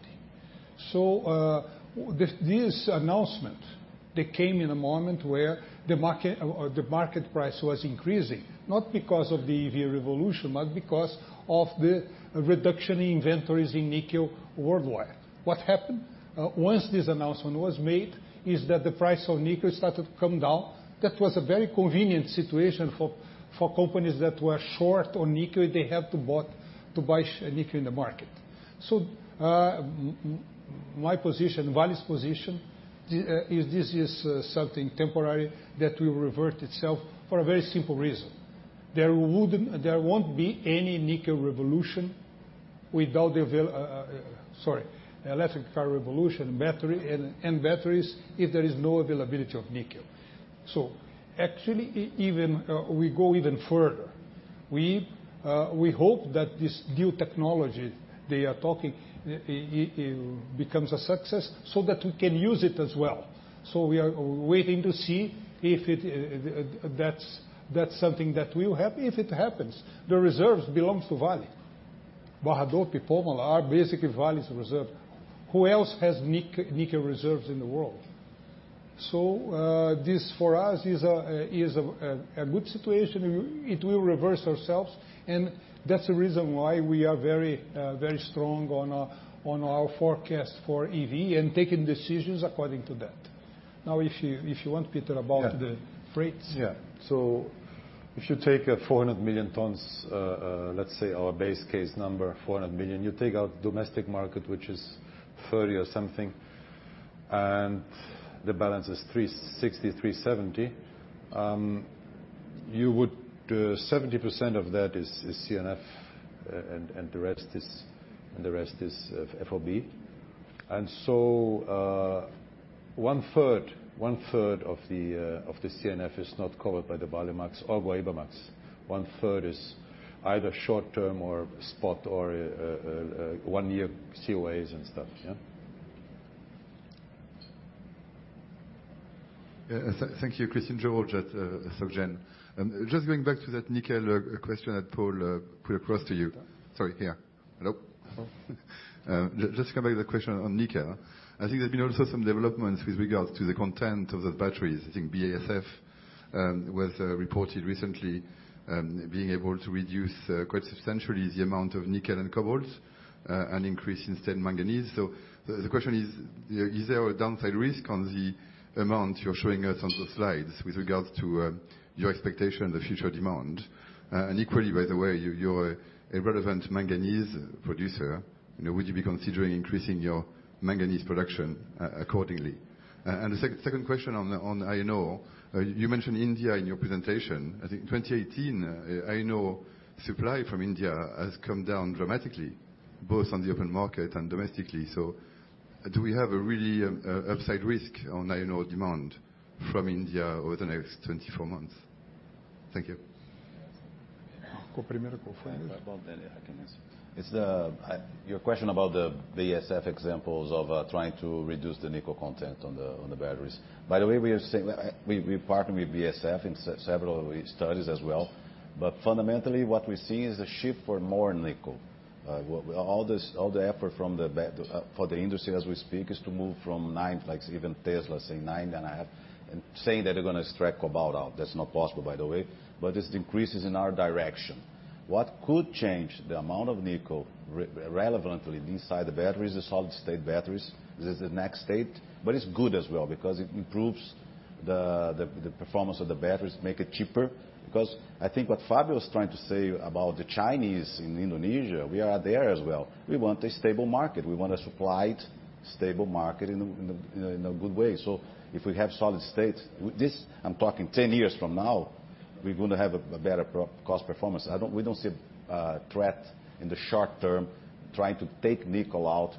This announcement that came in a moment where the market price was increasing, not because of the EV revolution, but because of the reduction in inventories in nickel worldwide. What happened once this announcement was made is that the price of nickel started to come down. That was a very convenient situation for companies that were short on nickel, they have to buy nickel in the market. My position, Vale's position, is this is something temporary that will revert itself for a very simple reason. There won't be any electric car revolution and batteries if there is no availability of nickel. Actually, we go even further. We hope that this new technology they are talking becomes a success so that we can use it as well. We are waiting to see if that's something that will happen. If it happens, the reserves belongs to Vale. Valedo, Pipoma are basically Vale's reserve. Who else has nickel reserves in the world? This for us is a good situation. It will reverse ourselves and that's the reason why we are very strong on our forecast for EV and taking decisions according to that. Now, if you want, Peter, about the freights. Yeah. If you take a 400 million tons, let's say our base case number, 400 million. You take our domestic market, which is 30 or something, and the balance is 360,000, 370,000. 70% of that is CNF and the rest is FOB. One-third of the CNF is not covered by the Valemax or Guaibamax. One-third is either short-term or spot or one-year COAs and stuff. Yeah. Thank you. Christian George at Société Générale. Just going back to that nickel question that Paul put across to you. Sorry, here. Hello? Hello. Just to come back to the question on nickel. I think there's been also some developments with regards to the content of the batteries. I think BASF was reported recently being able to reduce quite substantially the amount of nickel and cobalt, and increase instead manganese. The question is: Is there a downside risk on the amount you're showing us on the slides with regards to your expectation of the future demand? Equally, by the way, you're a relevant manganese producer. Would you be considering increasing your manganese production accordingly? The second question on iron ore. You mentioned India in your presentation. I think 2018, iron ore supply from India has come down dramatically, both on the open market and domestically. Do we have a really upside risk on iron ore demand from India over the next 24 months? Thank you. Go first. Go first. About the manganese. Your question about the BASF examples of trying to reduce the nickel content on the batteries. By the way, we partner with BASF in several studies as well. Fundamentally, what we see is a shift for more nickel. All the effort for the industry as we speak is to move from nine, like even Tesla say nine and a half, saying that they're going to strike cobalt out. That's not possible, by the way, but this increases in our direction. What could change the amount of nickel relevantly inside the batteries is solid state batteries. This is the next state, but it's good as well because it improves the performance of the batteries, make it cheaper. I think what Fabio is trying to say about the Chinese in Indonesia, we are there as well. We want a stable market. We want a supplied, stable market in a good way. If we have solid states, I'm talking 10 years from now, we're going to have a better cost performance. We don't see a threat in the short term trying to take nickel out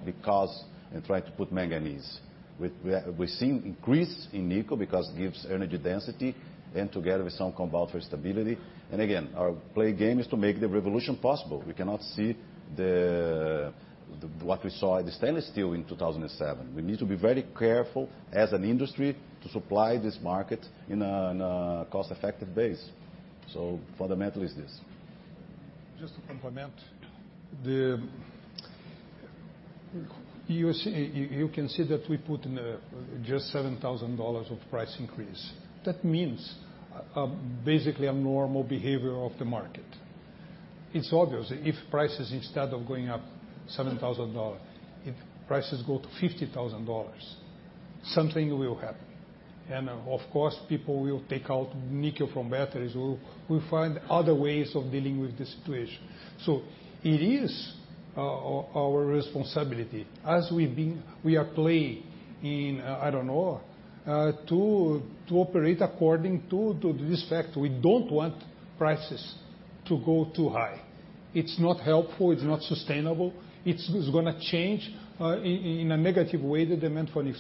and trying to put manganese. We're seeing increase in nickel because it gives energy density and together with some cobalt for stability. Again, our play game is to make the revolution possible. We cannot see what we saw in the stainless steel in 2007. We need to be very careful as an industry to supply this market in a cost-effective basis. Fundamental is this. Just to complement. You can see that we put in just $7,000 of price increase. That means basically a normal behavior of the market. It's obvious. If prices, instead of going up $7,000, if prices go to $50,000, something will happen. Of course, people will take out nickel from batteries. We'll find other ways of dealing with the situation. It is our responsibility as we are play in, I don't know, to operate according to this fact. We don't want prices to go too high. It's not helpful, it's not sustainable. It's going to change in a negative way, the demand for it.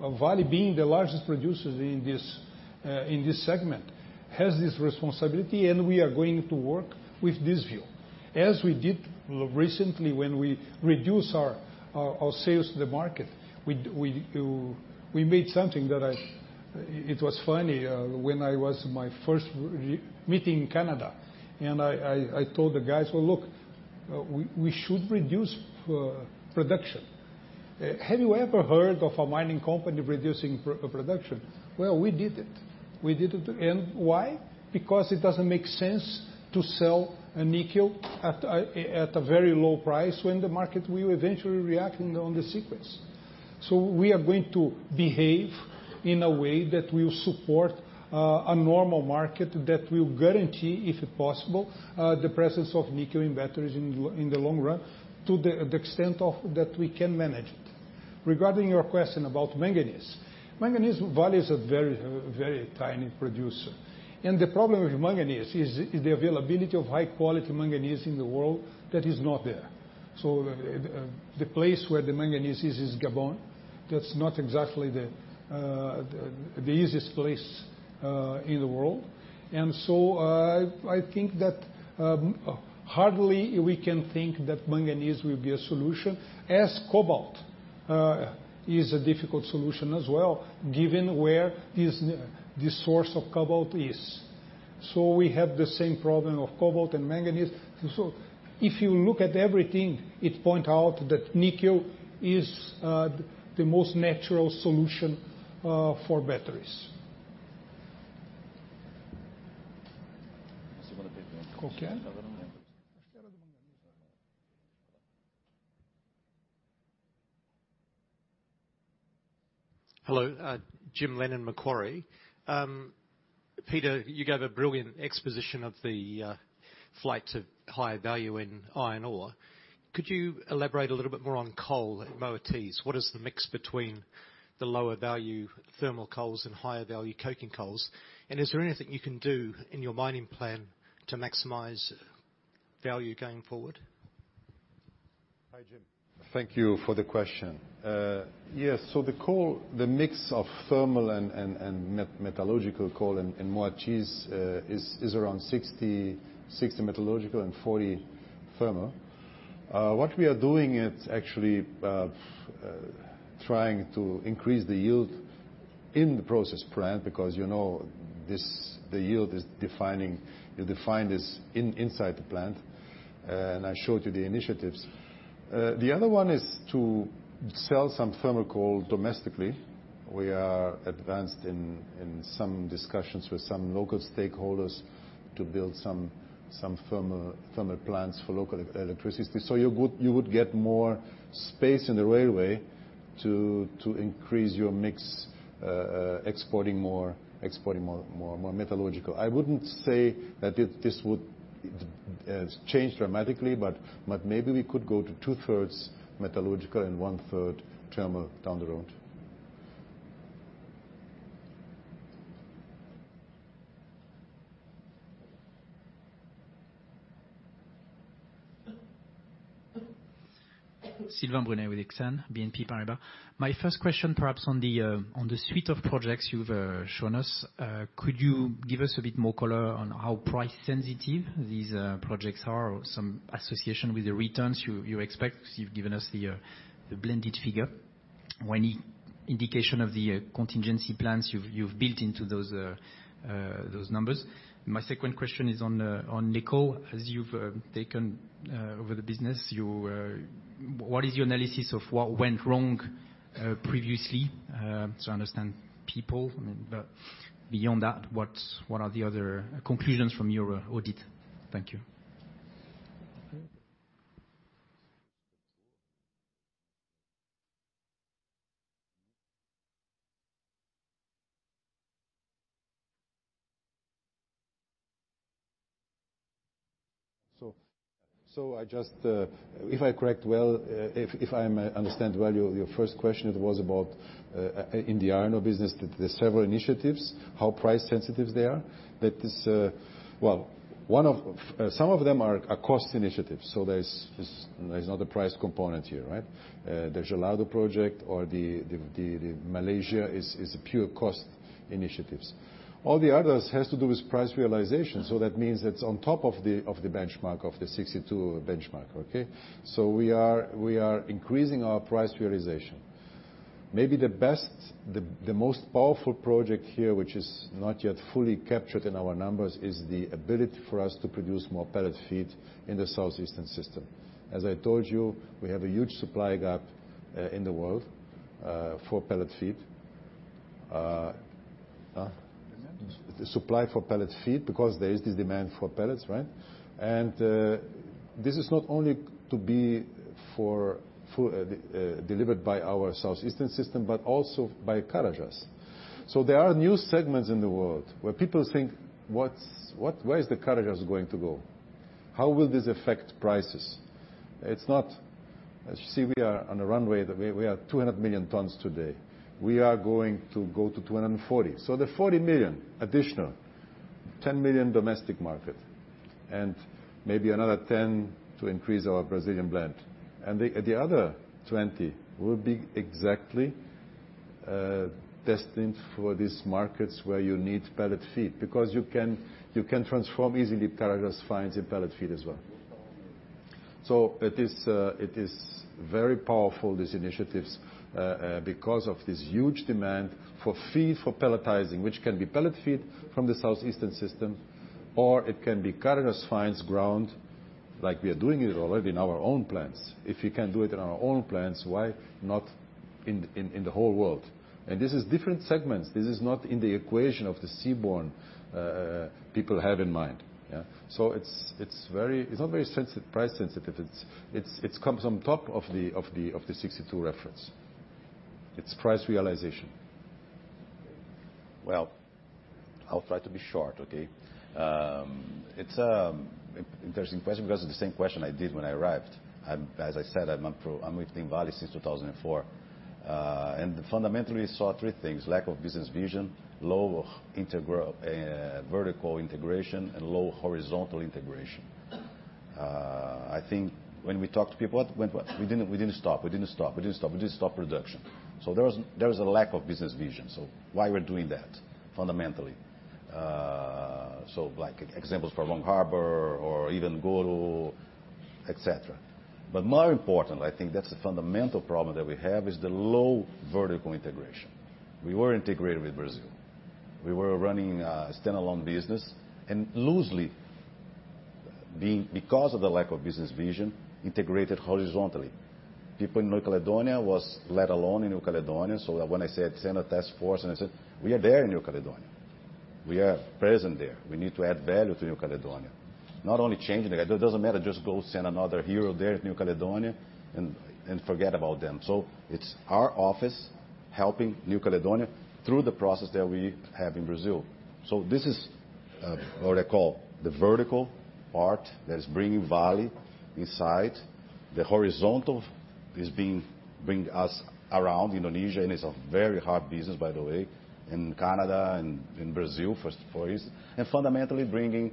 Vale, being the largest producer in this segment, has this responsibility, and we are going to work with this view. As we did recently when we reduce our sales to the market. We made something that It was funny when I was in my first meeting in Canada, and I told the guys, "Well, look, we should reduce production." Have you ever heard of a mining company reducing production? Well, we did it. We did it. Why? Because it doesn't make sense to sell a nickel at a very low price when the market will eventually react on the sequence. We are going to behave in a way that will support a normal market, that will guarantee, if possible, the presence of nickel in batteries in the long run to the extent of that we can manage it. Regarding your question about manganese. Manganese, Vale is a very tiny producer. The problem with manganese is the availability of high-quality manganese in the world that is not there. The place where the manganese is Gabon. That's not exactly the easiest place in the world. I think that hardly we can think that manganese will be a solution, as cobalt is a difficult solution as well, given where the source of cobalt is. We have the same problem of cobalt and manganese. If you look at everything, it point out that nickel is the most natural solution for batteries. Okay. Hello. Jim Lennon, Macquarie. Peter, you gave a brilliant exposition of the flight to higher value in iron ore. Could you elaborate a little bit more on coal at Moatize? What is the mix between the lower value thermal coals and higher value coking coals? Is there anything you can do in your mining plan to maximize value going forward? Hi, Jim. Thank you for the question. Yes. The coal, the mix of thermal and metallurgical coal in Moatize is around 60 metallurgical and 40 thermal. What we are doing is actually trying to increase the yield in the process plant because you know the yield is defined inside the plant, and I showed you the initiatives. The other one is to sell some thermal coal domestically. We are advanced in some discussions with some local stakeholders to build some thermal plants for local electricity. You would get more space in the railway to increase your mix, exporting more metallurgical. I wouldn't say that this would change dramatically, but maybe we could go to two-thirds metallurgical and one-third thermal down the road. Sylvain Brunet with Exane BNP Paribas. My first question, perhaps on the suite of projects you've shown us. Could you give us a bit more color on how price sensitive these projects are or some association with the returns you expect? You've given us the blended figure. Any indication of the contingency plans you've built into those numbers. My second question is on nickel. As you've taken over the business, what is your analysis of what went wrong previously? I understand people, but beyond that, what are the other conclusions from your audit? Thank you. If I understand well your first question, it was about in the iron ore business, there's several initiatives, how price sensitive they are. Some of them are cost initiatives, so there's no other price component here, right? The Gelado project or the Malaysia is a pure cost initiatives. All the others has to do with price realization. That means that's on top of the benchmark of the 62 benchmark, okay? We are increasing our price realization. Maybe the best, the most powerful project here, which is not yet fully captured in our numbers, is the ability for us to produce more pellet feed in the southeastern system. As I told you, we have a huge supply gap in the world for pellet feed. Huh? Demand. The supply for pellet feed, because there is this demand for pellets, right? This is not only to be delivered by our southeastern system, but also by Carajás. There are new segments in the world where people think, "Where is the Carajás going to go? How will this affect prices?" As you see, we are on a runway. We are at 200 million tons today. We are going to go to 240. The 40 million additional, 10 million domestic market, and maybe another 10 to increase our Brazilian Blend. The other 20 will be exactly destined for these markets where you need pellet feed, because you can transform easily Carajás fines into pellet feed as well. It is very powerful, these initiatives, because of this huge demand for feed for pelletizing. Which can be pellet feed from the southeastern system, or it can be Carajás fines ground like we are doing it already in our own plants. If we can do it in our own plants, why not in the whole world? This is different segments. This is not in the equation of the seaborne people have in mind. Yeah. It's not very price sensitive. It comes on top of the 62 reference. It's price realization. Well, I'll try to be short, okay? It's an interesting question because it's the same question I did when I arrived. As I said, I'm with Team Vale since 2004. I fundamentally saw three things: lack of business vision, low vertical integration, and low horizontal integration. I think when we talked to people, we didn't stop production. Why we're doing that, fundamentally. Like examples for Long Harbour or even Goro, et cetera. But more important, I think that's the fundamental problem that we have is the low vertical integration. We were integrated with Brazil. We were running a standalone business, and loosely, because of the lack of business vision, integrated horizontally. People in New Caledonia was let alone in New Caledonia. When I said send a task force and I said, "We are there in New Caledonia. We are present there. We need to add value to New Caledonia." Not only changing it. It doesn't matter, just go send another hero there at New Caledonia and forget about them. It's our office helping New Caledonia through the process that we have in Brazil. This is what I call the vertical part that is bringing value inside. The horizontal is bringing us around Indonesia, and it's a very hard business, by the way, in Canada and in Brazil for us. Fundamentally bringing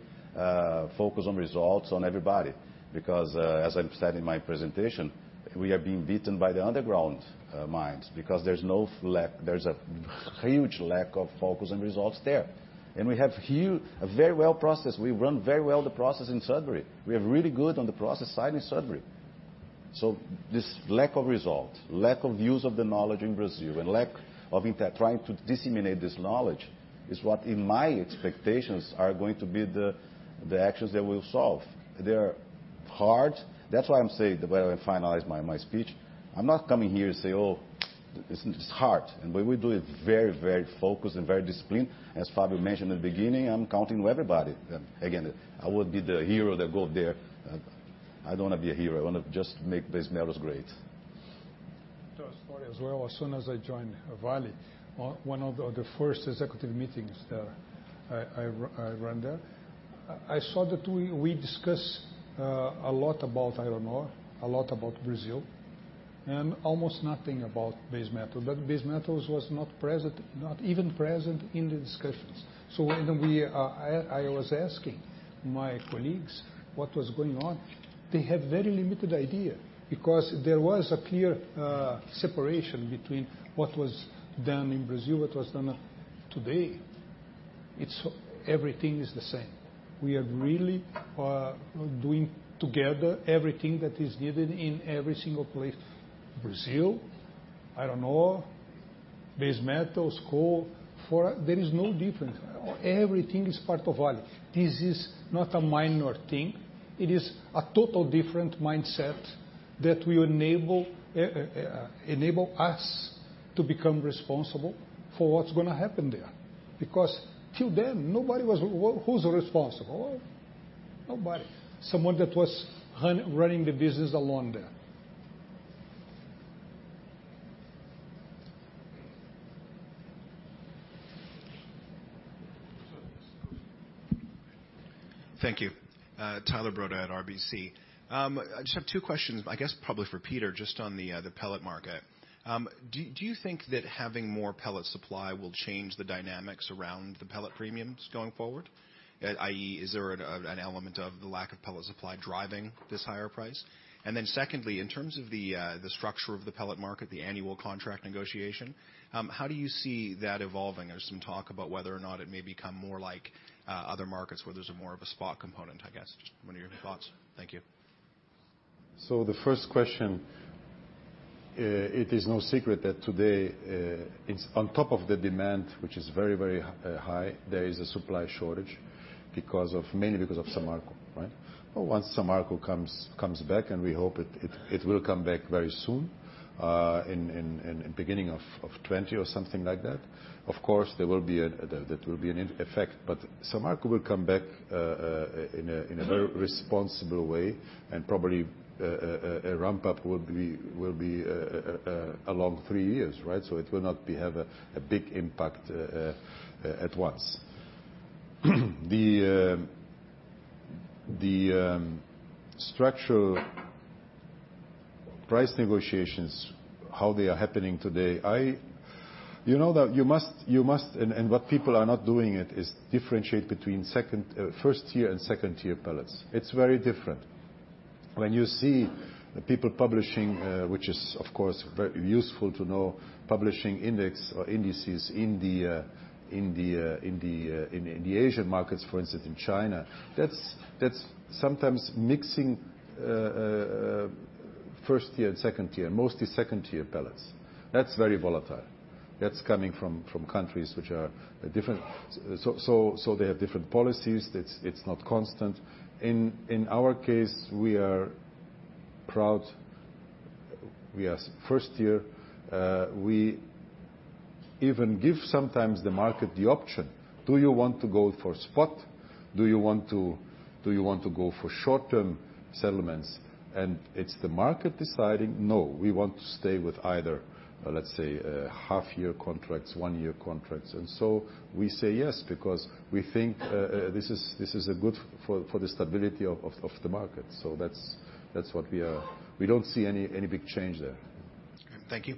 focus on results on everybody because as I said in my presentation, we are being beaten by the underground mines because there's a huge lack of focus and results there. We have a very well process. We run very well the process in Sudbury. We are really good on the process side in Sudbury. This lack of result, lack of use of the knowledge in Brazil, and lack of trying to disseminate this knowledge is what, in my expectations, are going to be the actions that will solve. They are hard. That's why I'm saying the way I finalize my speech, I'm not coming here to say, "Oh, it's hard." We do it very focused and very disciplined. As Fábio mentioned at the beginning, I'm counting on everybody. Again, I would be the hero that go there. I don't want to be a hero. I want to just make base metals great. A story as well. As soon as I joined Vale, one of the first executive meetings that I run there, I saw that we discuss a lot about iron ore, a lot about Brazil, and almost nothing about base metal, but base metals was not even present in the discussions. I was asking my colleagues what was going on. They have very limited idea because there was a clear separation between what was done in Brazil, what was done today, everything is the same. We are really doing together everything that is needed in every single place. Brazil, iron ore, base metal, coal. There is no difference. Everything is part of Vale. This is not a minor thing. It is a total different mindset that will enable us to become responsible for what's going to happen there. Till then, who's responsible? Nobody. Someone that was running the business alone there. Thank you. Tyler Broda at RBC. I just have two questions, I guess probably for Peter, just on the pellet market. Do you think that having more pellet supply will change the dynamics around the pellet premiums going forward? i.e., is there an element of the lack of pellet supply driving this higher price? Then secondly, in terms of the structure of the pellet market, the annual contract negotiation, how do you see that evolving? There's some talk about whether or not it may become more like other markets where there's more of a spot component, I guess. Just wonder your thoughts. Thank you. The first question, it is no secret that today, on top of the demand, which is very, very high, there is a supply shortage mainly because of Samarco. Once Samarco comes back, and we hope it will come back very soon, in beginning of 2020 or something like that, of course that will be an effect. Samarco will come back in a very responsible way, and probably a ramp-up will be a long three years. It will not have a big impact at once. The structural price negotiations, how they are happening today. You must, and what people are not doing it, is differentiate between first-tier and second-tier pellets. It's very different. When you see people publishing, which is of course very useful to know, publishing index or indices in the Asian markets, for instance, in China, that's sometimes mixing first-tier and second-tier, mostly second-tier pellets. That's very volatile. That's coming from countries which are different. They have different policies. It's not constant. In our case, we are proud we are first-tier. We even give sometimes the market the option. Do you want to go for spot? Do you want to go for short-term settlements? It's the market deciding, "No, we want to stay with either, let's say, half-year contracts, one-year contracts." We say yes because we think this is good for the stability of the market. That's what we are. We don't see any big change there. Thank you.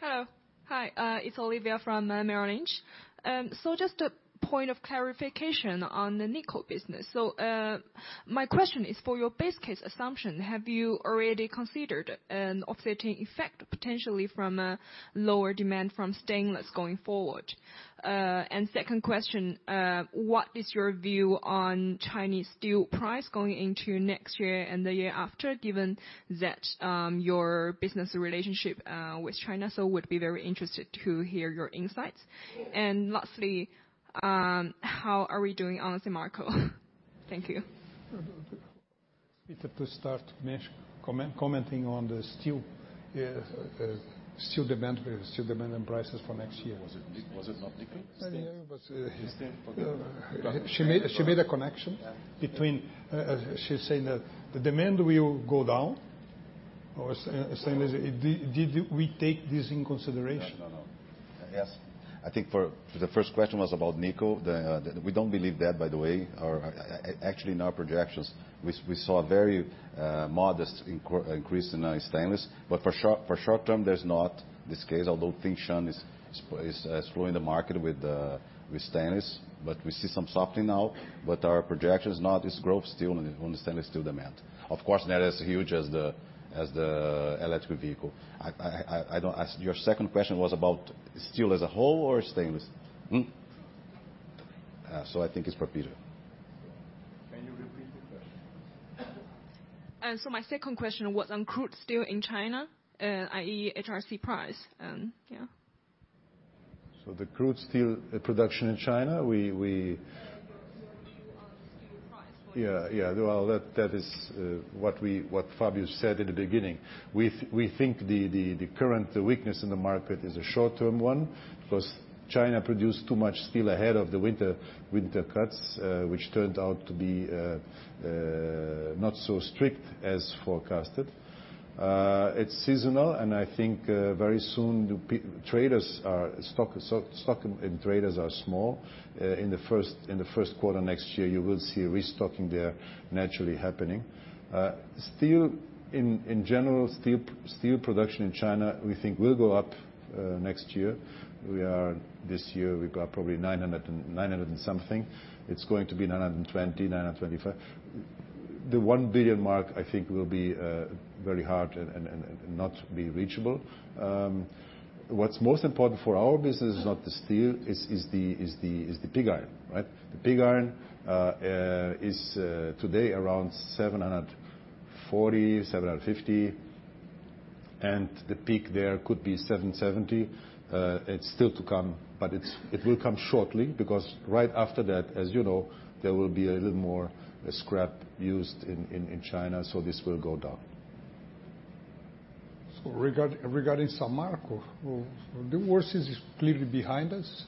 Hello. Hi, it's Olivia from Merrill Lynch. Just a point of clarification on the nickel business. My question is for your base case assumption, have you already considered an offsetting effect potentially from a lower demand from stainless going forward? Second question, what is your view on Chinese steel price going into next year and the year after, given that your business relationship with China? Would be very interested to hear your insights. Lastly, how are we doing on Samarco? Thank you. Peter to start commenting on the steel demand and prices for next year. Was it not Nicole? Stainless. She made a connection. She's saying that the demand will go down, or stainless. Did we take this into consideration? No. Yes. I think for the first question was about nickel. We don't believe that, by the way. Actually, in our projections, we saw a very modest increase in stainless. For short term, there's not this case, although Tsingshan is flooding the market with stainless. We see some softening now, our projection is not this growth still on the stainless steel demand. Of course, not as huge as the electric vehicle. Your second question was about steel as a whole or stainless? I think it's for Peter. Can you repeat the question? My second question was on crude steel in China, i.e., HRC price. Yeah. The crude steel production in China. Your view on steel price going into. Yeah. That is what Fabio said in the beginning. We think the current weakness in the market is a short-term one, because China produced too much steel ahead of the winter cuts, which turned out to be not so strict as forecasted. It's seasonal, and I think very soon, stock and traders are small. In the first quarter next year, you will see a restocking there naturally happening. Steel in general, steel production in China, we think will go up, next year. This year, we've got probably 900 and something. It's going to be 920, 925. The one billion mark, I think, will be very hard and not be reachable. What's most important for our business is not the steel, it's the pig iron. The pig iron is today around $740, $750, and the peak there could be $ 770. It's still to come, it will come shortly because right after that, as you know, there will be a little more scrap used in China, this will go down. Regarding Samarco, the worst is clearly behind us.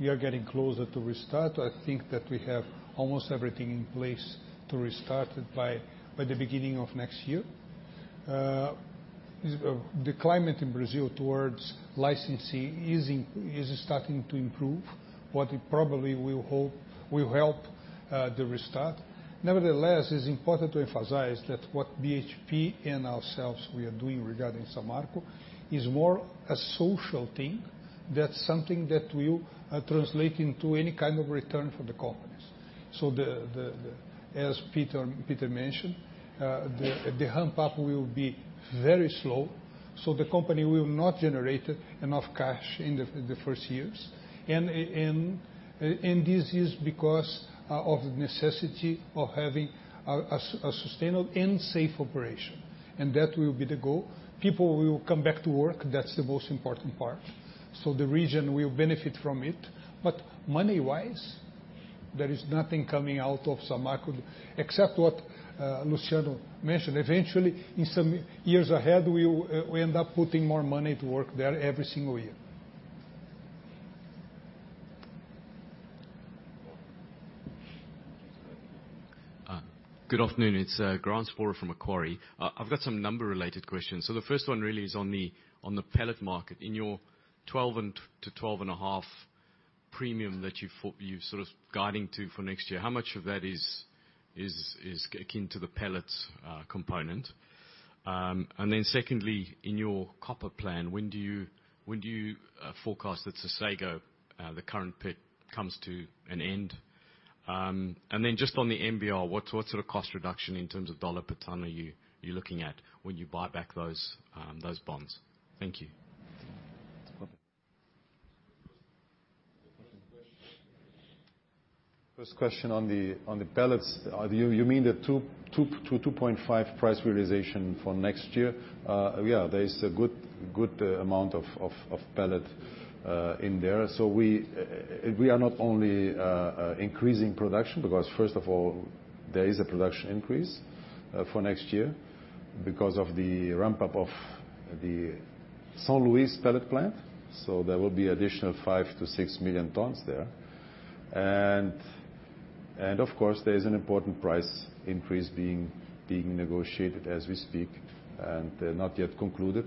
We are getting closer to restart. I think that we have almost everything in place to restart it by the beginning of next year. The climate in Brazil towards licensing is starting to improve. What it probably will help the restart. Nevertheless, it's important to emphasize that what BHP and ourselves we are doing regarding Samarco is more a social thing. That's something that will translate into any kind of return for the companies. As Peter mentioned, the ramp-up will be very slow. The company will not generate enough cash in the first years. This is because of the necessity of having a sustainable and safe operation. That will be the goal. People will come back to work, that's the most important part. The region will benefit from it. Money-wise, there is nothing coming out of Samarco except what Luciano mentioned. Eventually, in some years ahead, we end up putting more money to work there every single year. Good afternoon. It's Grant Sporre from Macquarie. I've got some number-related questions. The first one really is on the pellet market. In your 12 to 12.5 premium that you're guiding to for next year, how much of that is akin to the pellets component? Secondly, in your copper plan, when do you forecast that Sossego, the current pit, comes to an end? Just on the MBR, what sort of cost reduction in terms of dollar per ton are you looking at when you buy back those bonds? Thank you. First question on the pellets. You mean the 2.5 price realization for next year? Yeah, there is a good amount of pellet in there. We are not only increasing production because, first of all, there is a production increase for next year because of the ramp-up of the São Luis pellet plant, there will be additional 5 million-6 million tons there. Of course, there is an important price increase being negotiated as we speak, not yet concluded,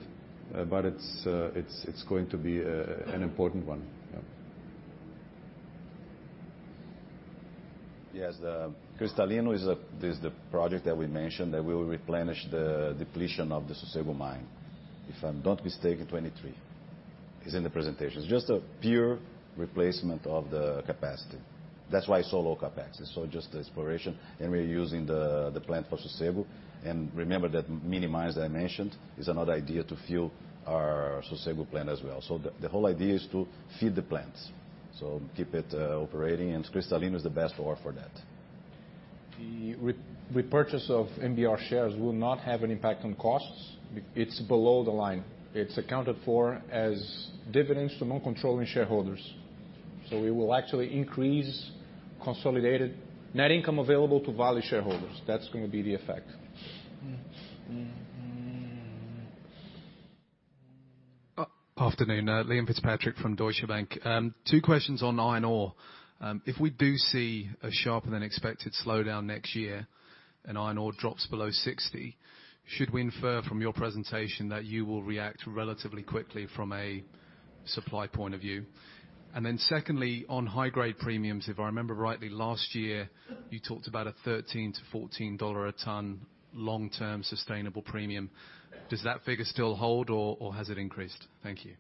but it's going to be an important one. Yeah. Yes. Cristalino is the project that we mentioned that we will replenish the depletion of the Sossego mine. If I'm not mistaken, 2023. It's in the presentation. It's just a pure replacement of the capacity. That's why it's so low CapEx. It's so just exploration, and we're using the plant for Sossego. Remember that mini mine that I mentioned is another idea to fuel our Sossego plant as well. The whole idea is to feed the plants. Keep it operating, and Cristalino is the best ore for that. The repurchase of MBR shares will not have an impact on costs. It's below the line. It's accounted for as dividends to non-controlling shareholders. We will actually increase consolidated net income available to Vale shareholders. That's going to be the effect. Afternoon. Liam Fitzpatrick from Deutsche Bank. Two questions on iron ore. If we do see a sharper than expected slowdown next year and iron ore drops below 60, should we infer from your presentation that you will react relatively quickly from a supply point of view? Secondly, on high-grade premiums, if I remember rightly, last year you talked about a $13-$14 a ton long-term sustainable premium. Does that figure still hold or has it increased? Thank you.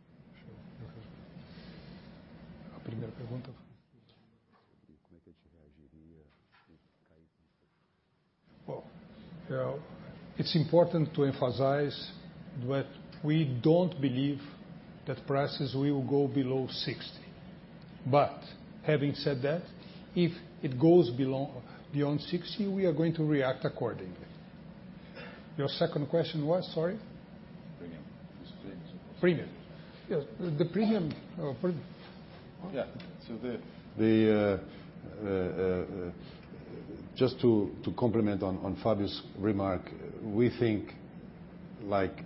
It's important to emphasize that we don't believe that prices will go below $60. Having said that, if it goes beyond $60, we are going to react accordingly. Your second question was what, sorry? Premium. Premium. Yes, the premium. Just to complement on Fábio's remark, we think like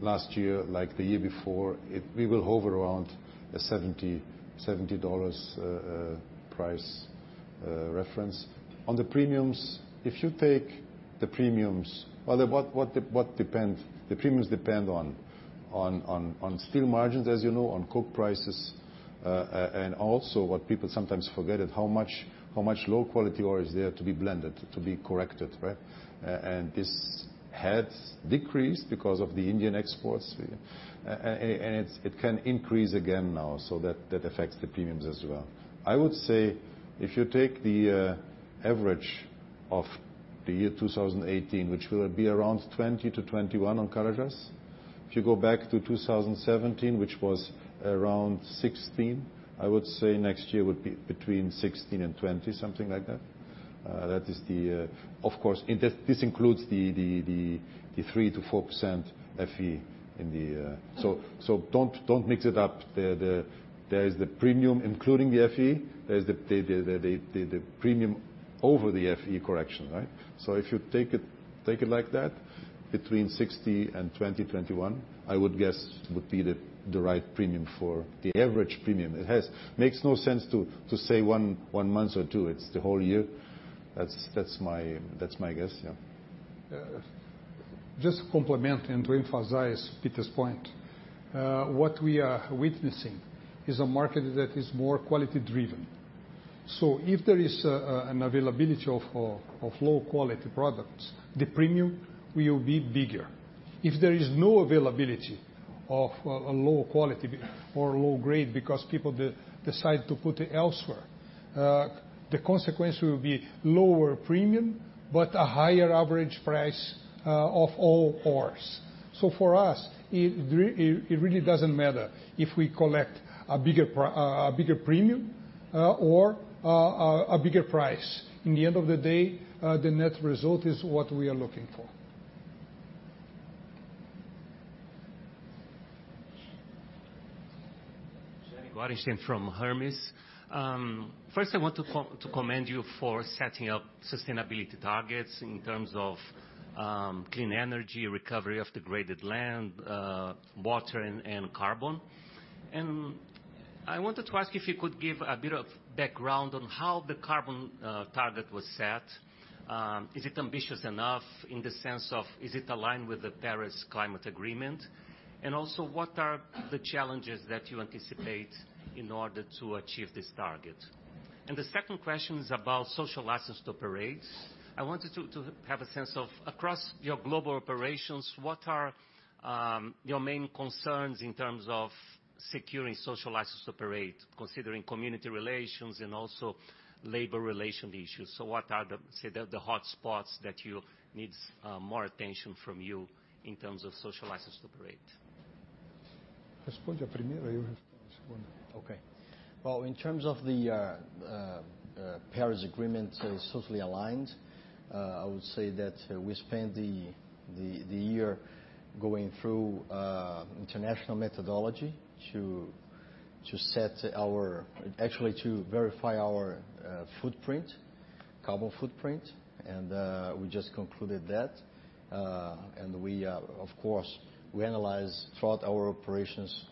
last year, like the year before, we will hover around a $70 price reference. On the premiums, if you take the premiums, well, the premiums depend on steel margins, as you know, on coke prices. Also what people sometimes forget is how much low quality ore is there to be blended, to be corrected, right? This has decreased because of the Indian exports. It can increase again now, so that affects the premiums as well. I would say if you take the average of the year 2018, which will be around $20 to $21 on Carajás. If you go back to 2017, which was around $16, I would say next year would be between $16-$20, something like that. Of course, this includes the 3%-4% FE. Don't mix it up. There is the premium including the FE. There's the premium over the FE correction, right? If you take it like that, between $16 and $20, $21, I would guess would be the right premium for the average premium. It makes no sense to say one month or two, it's the whole year. That's my guess. Complement and to emphasize Peter's point. What we are witnessing is a market that is more quality-driven. If there is an availability of low-quality products, the premium will be bigger. If there is no availability of a low quality or low grade because people decide to put it elsewhere. The consequence will be lower premium, but a higher average price of all ores. For us, it really doesn't matter if we collect a bigger premium or a bigger price. In the end of the day, the net result is what we are looking for. Jenny Guarin from Hermes. First I want to commend you for setting up sustainability targets in terms of clean energy, recovery of degraded land, water, and carbon. I wanted to ask if you could give a bit of background on how the carbon target was set. Is it ambitious enough in the sense of is it aligned with the Paris Climate Agreement? Also, what are the challenges that you anticipate in order to achieve this target? The second question is about social license to operate. I wanted to have a sense of, across your global operations, what are your main concerns in terms of securing social license to operate, considering community relations and also labor relation issues. What are the hotspots that needs more attention from you in terms of social license to operate? Respond to the first one, then I'll respond to the second one. Okay. Well, in terms of the Paris Agreement, it's totally aligned. I would say that we spent the year going through international methodology to verify our carbon footprint. We just concluded that. Of course, we analyze throughout our operations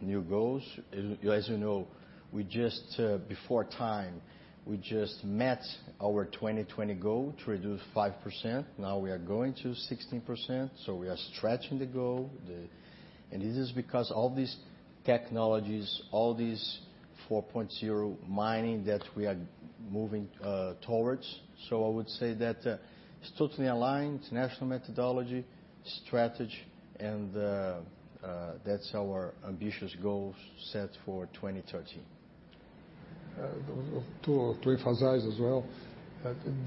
new goals. As you know, before time, we just met our 2020 goal to reduce 5%. Now we are going to 16%, so we are stretching the goal. This is because all these technologies, all these 4.0 mining that we are moving towards. I would say that it's totally aligned, it's national methodology, strategy, and that's our ambitious goal set for 2030. To emphasize as well,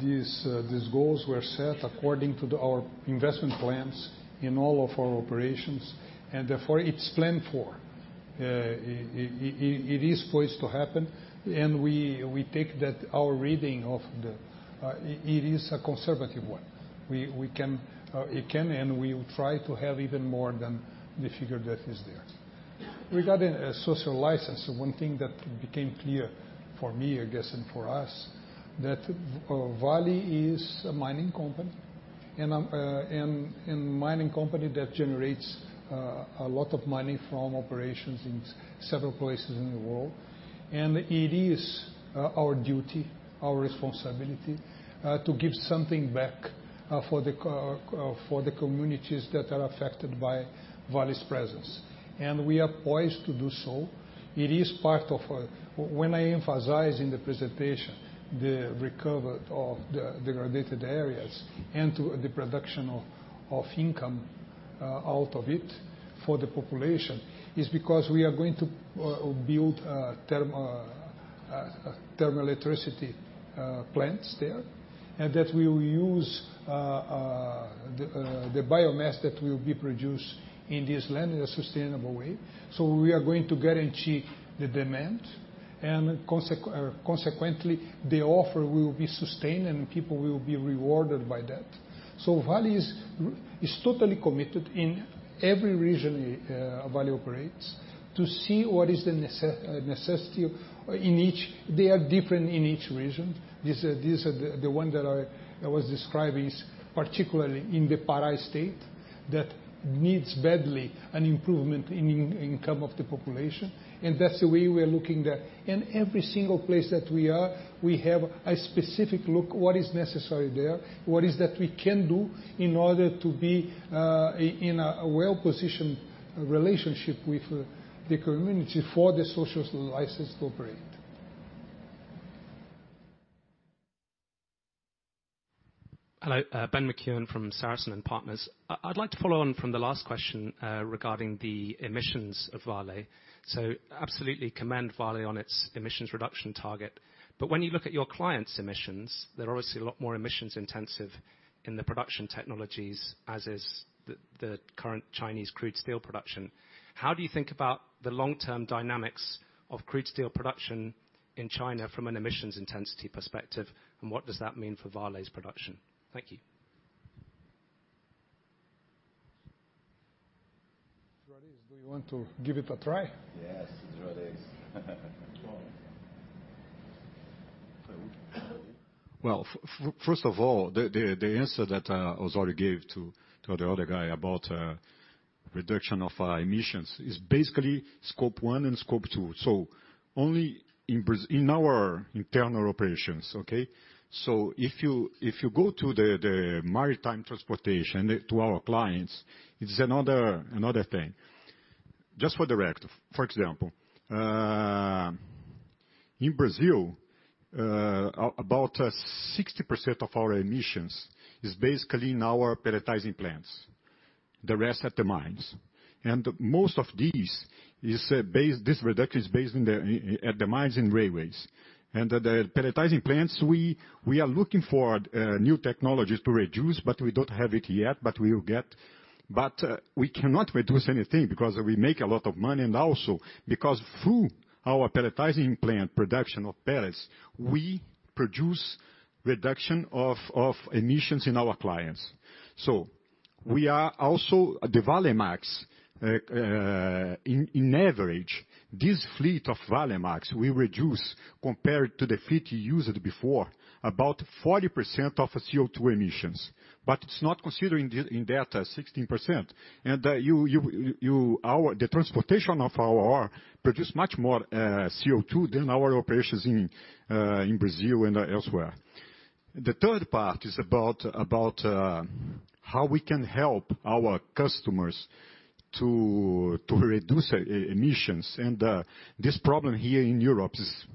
these goals were set according to our investment plans in all of our operations. Therefore, it's planned for. It is poised to happen, and we take that our reading of it is a conservative one. It can and we will try to have even more than the figure that is there. Regarding social license, one thing that became clear for me, I guess, and for us, that Vale is a mining company, and a mining company that generates a lot of money from operations in several places in the world. It is our duty, our responsibility to give something back for the communities that are affected by Vale's presence. We are poised to do so. When I emphasize in the presentation the recovery of the degraded areas and the production of income out of it for the population, is because we are going to build thermal electricity plants there, and that we will use the biomass that will be produced in this land in a sustainable way. We are going to guarantee the demand, and consequently, the offer will be sustained, and people will be rewarded by that. Vale is totally committed in every region Vale operates to see what is the necessity in each. They are different in each region. The one that I was describing is particularly in the Pará state, that needs badly an improvement in income of the population. That's the way we are looking there. In every single place that we are, we have a specific look what is necessary there, what is that we can do in order to be in a well-positioned relationship with the community for the social license to operate. Hello, Ben McKeown from Sarasin & Partners. I'd like to follow on from the last question regarding the emissions of Vale. Absolutely commend Vale on its emissions reduction target. When you look at your clients' emissions, they're obviously a lot more emissions-intensive in the production technologies, as is the current Chinese crude steel production. How do you think about the long-term dynamics of crude steel production in China from an emissions intensity perspective, and what does that mean for Vale's production? Thank you. Jardes, do you want to give it a try? Yes, Jardes. Well, first of all, the answer that Osório gave to the other guy about reduction of our emissions is basically scope one and scope two. Only in our internal operations, okay? If you go to the maritime transportation to our clients, it's another thing. Just for direct, for example. In Brazil-About 60% of our emissions is basically in our pelletizing plants, the rest at the mines. Most of this reduction is based at the mines and railways. The pelletizing plants, we are looking for new technologies to reduce, but we don't have it yet, but we will get. We cannot reduce anything because we make a lot of money, and also because through our pelletizing plant production of pellets, we produce reduction of emissions in our clients. We are also at the Valemax. In average, this fleet of Valemax, we reduce compared to the fleet used before about 40% of CO2 emissions. It's not considering in that 16%. The transportation of our ore produce much more CO2 than our operations in Brazil and elsewhere. The third part is about how we can help our customers to reduce emissions. This problem here in Europe is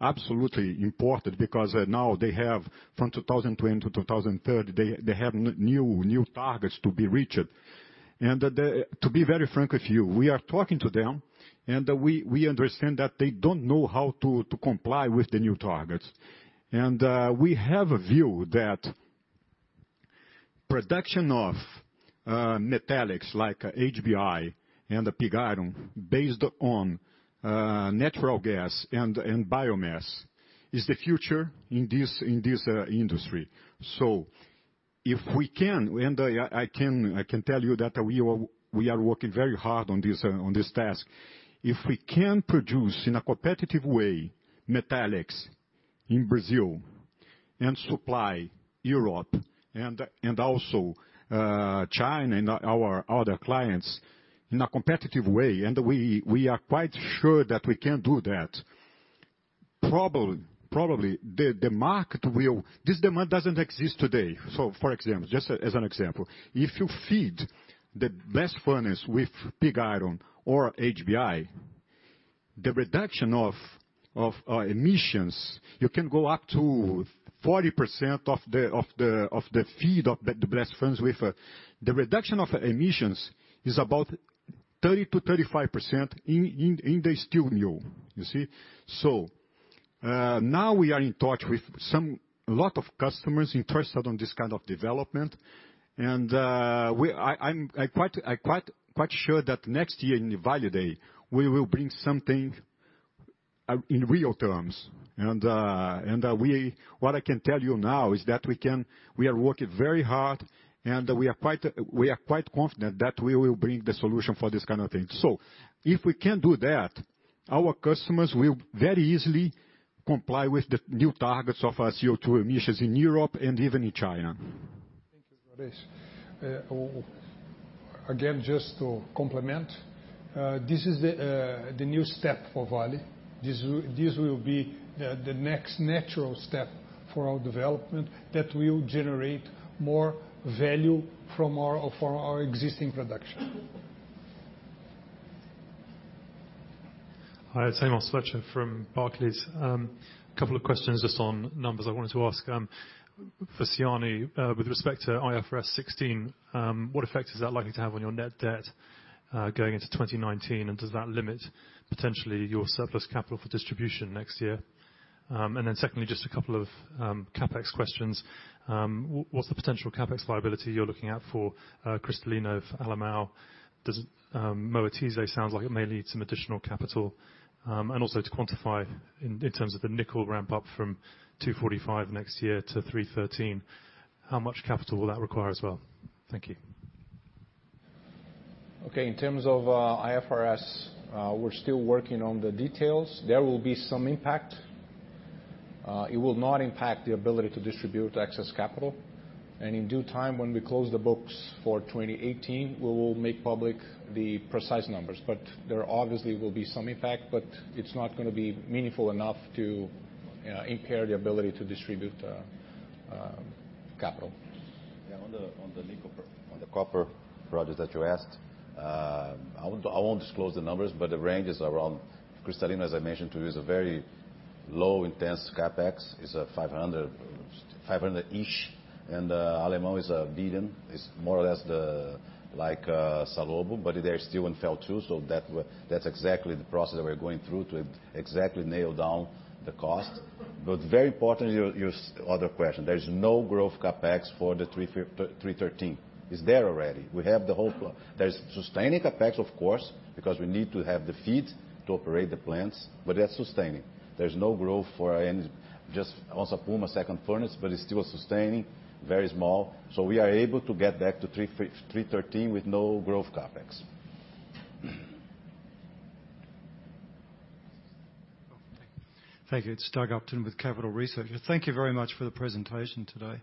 absolutely important because now they have from 2020 to 2030, they have new targets to be reached. To be very frank with you, we are talking to them, and we understand that they don't know how to comply with the new targets. We have a view that production of metallics like HBI and pig iron based on natural gas and biomass is the future in this industry. If we can, and I can tell you that we are working very hard on this task. If we can produce in a competitive way, metallics in Brazil and supply Europe and also China and our other clients in a competitive way, we are quite sure that we can do that. Probably, this demand doesn't exist today. For example, just as an example, if you feed the best furnace with pig iron or HBI, the reduction of emissions, you can go up to 40% of the feed of the best furnace with. The reduction of emissions is about 30%-35% in the steel mill. You see? Now we are in touch with a lot of customers interested on this kind of development. I'm quite sure that next year in Vale Day, we will bring something in real terms. What I can tell you now is that we are working very hard, and we are quite confident that we will bring the solution for this kind of thing. If we can do that, our customers will very easily comply with the new targets of our CO2 emissions in Europe and even in China. Thank you, Jorge. Just to complement, this is the new step for Vale. This will be the next natural step for our development that will generate more value from our existing production. Hi, it's Hemal Swadha from Barclays. A couple of questions just on numbers I wanted to ask. For Siani, with respect to IFRS 16, what effect is that likely to have on your net debt going into 2019, and does that limit potentially your surplus capital for distribution next year? Secondly, just a couple of CapEx questions. What's the potential CapEx liability you're looking at for Cristalino, for Alemão? Moatize sounds like it may need some additional capital. Also to quantify in terms of the nickel ramp up from 245 next year to 313, how much capital will that require as well? Thank you. In terms of IFRS, we're still working on the details. There will be some impact. It will not impact the ability to distribute excess capital. In due time, when we close the books for 2018, we will make public the precise numbers. There obviously will be some impact, it's not going to be meaningful enough to impair the ability to distribute capital. On the copper project that you asked, I won't disclose the numbers, but the range is around Cristalino, as I mentioned to you, is a very low intense CapEx, is a $500-ish. Alemão is a $1 billion. It's more or less like Salobo, but they're still in phase II, that's exactly the process that we're going through to exactly nail down the cost. Very importantly, your other question, there is no growth CapEx for the 313. It's there already. There's sustaining CapEx, of course, because we need to have the feed to operate the plants, but that's sustaining. There's no growth for any, just also put a second furnace, but it's still sustaining, very small. We are able to get that to 313 with no growth CapEx. Thank you. It's Doug Upton with Capital Research. Thank you very much for the presentation today.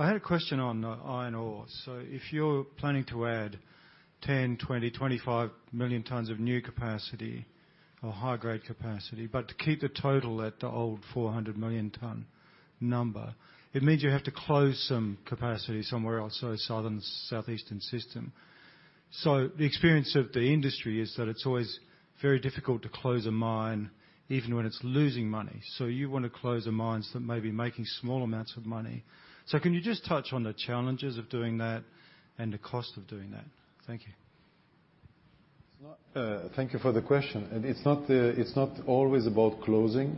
I had a question on iron ore. If you're planning to add 10, 20, 25 million tons of new capacity or high-grade capacity, but to keep the total at the old 400 million ton number, it means you have to close some capacity somewhere else, so southeastern system. The experience of the industry is that it's always very difficult to close a mine, even when it's losing money. You want to close the mines that may be making small amounts of money. Can you just touch on the challenges of doing that and the cost of doing that? Thank you. Thank you for the question. It's not always about closing.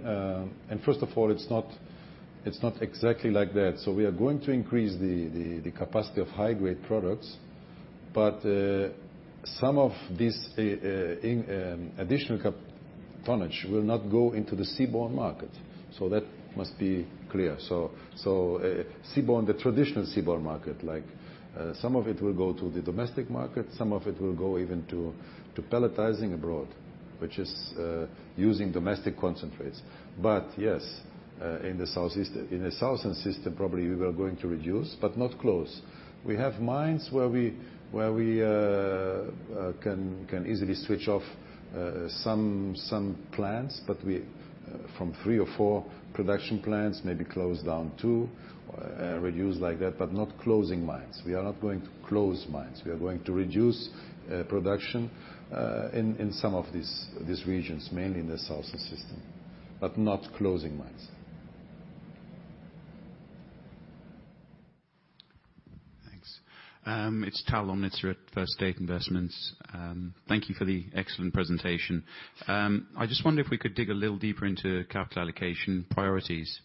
First of all, it's not exactly like that. We are going to increase the capacity of high-grade products, some of this additional tonnage will not go into the seaborne market. That must be clear. The traditional seaborne market, some of it will go to the domestic market, some of it will go even to pelletizing abroad, which is using domestic concentrates. Yes, in the Southern system, probably we are going to reduce, but not close. We have mines where we can easily switch off some plants, from three or four production plants, maybe close down two, reduce like that, but not closing mines. We are not going to close mines. We are going to reduce production in some of these regions, mainly in the Southern system, but not closing mines. Thanks. It's Tal Lomnitz at First State Investments. Thank you for the excellent presentation. I just wonder if we could dig a little deeper into capital allocation priorities.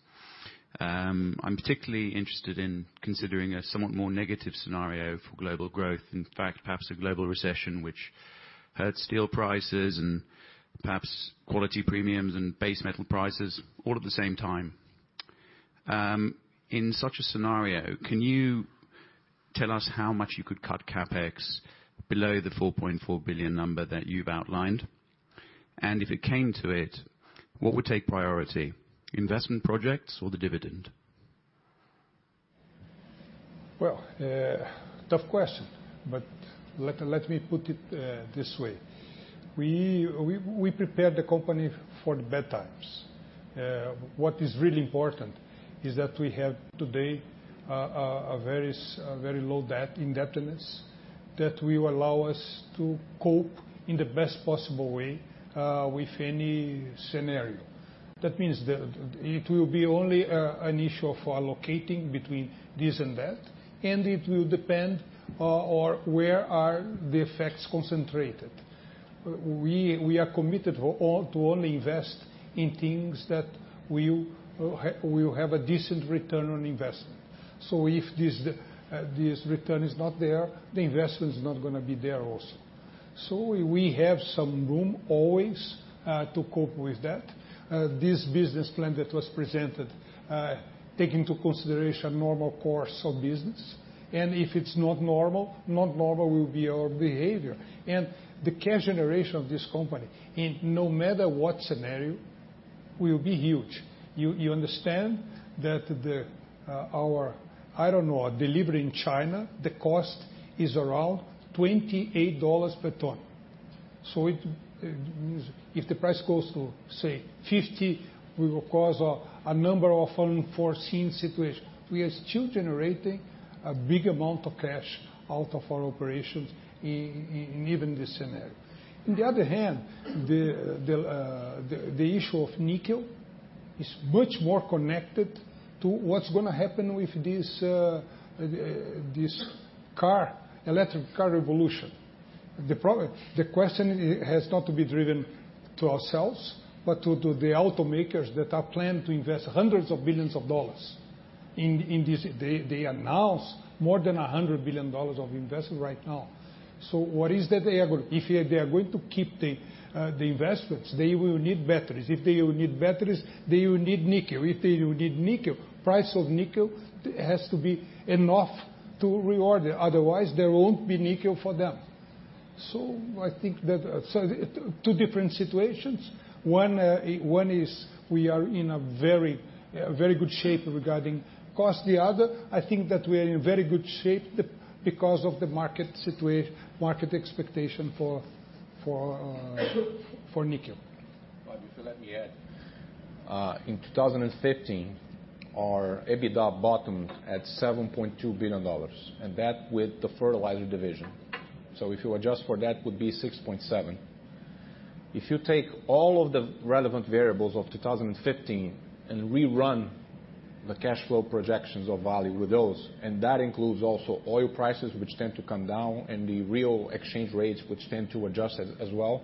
I'm particularly interested in considering a somewhat more negative scenario for global growth. In fact, perhaps a global recession which hurts steel prices and perhaps quality premiums and base metal prices all at the same time. In such a scenario, can you tell us how much you could cut CapEx below the $4.4 billion number that you've outlined? If it came to it, what would take priority, investment projects or the dividend? Well, tough question, let me put it this way. We prepared the company for the bad times. What is really important is that we have today a very low debt indebtedness that will allow us to cope in the best possible way with any scenario. That means that it will be only an issue for allocating between this and that, it will depend on where are the effects concentrated. We are committed to only invest in things that will have a decent return on investment. If this return is not there, the investment is not going to be there also. We have some room always to cope with that. This business plan that was presented take into consideration normal course of business. If it's not normal, not normal will be our behavior. The cash generation of this company, in no matter what scenario, will be huge. You understand that our delivery in China, the cost is around $28 per ton. If the price goes to, say, $50, will cause a number of unforeseen situations. We are still generating a big amount of cash out of our operations in even this scenario. On the other hand, the issue of nickel is much more connected to what's going to happen with this electric car revolution. The question has not to be driven to ourselves, but to the automakers that are planning to invest hundreds of billions of dollars. They announced more than $100 billion of investment right now. If they are going to keep the investments, they will need batteries. If they will need batteries, they will need nickel. If they will need nickel, price of nickel has to be enough to reward it. Otherwise, there won't be nickel for them. I think that two different situations. One is we are in a very good shape regarding cost. The other, I think that we are in very good shape because of the market expectation for nickel. If you let me add. In 2015, our EBITDA bottomed at $7.2 billion, and that with the fertilizer division. If you adjust for that, it would be $6.7 billion. If you take all of the relevant variables of 2015 and rerun the cash flow projections of Vale with those, and that includes also oil prices, which tend to come down, and the real exchange rates, which tend to adjust as well,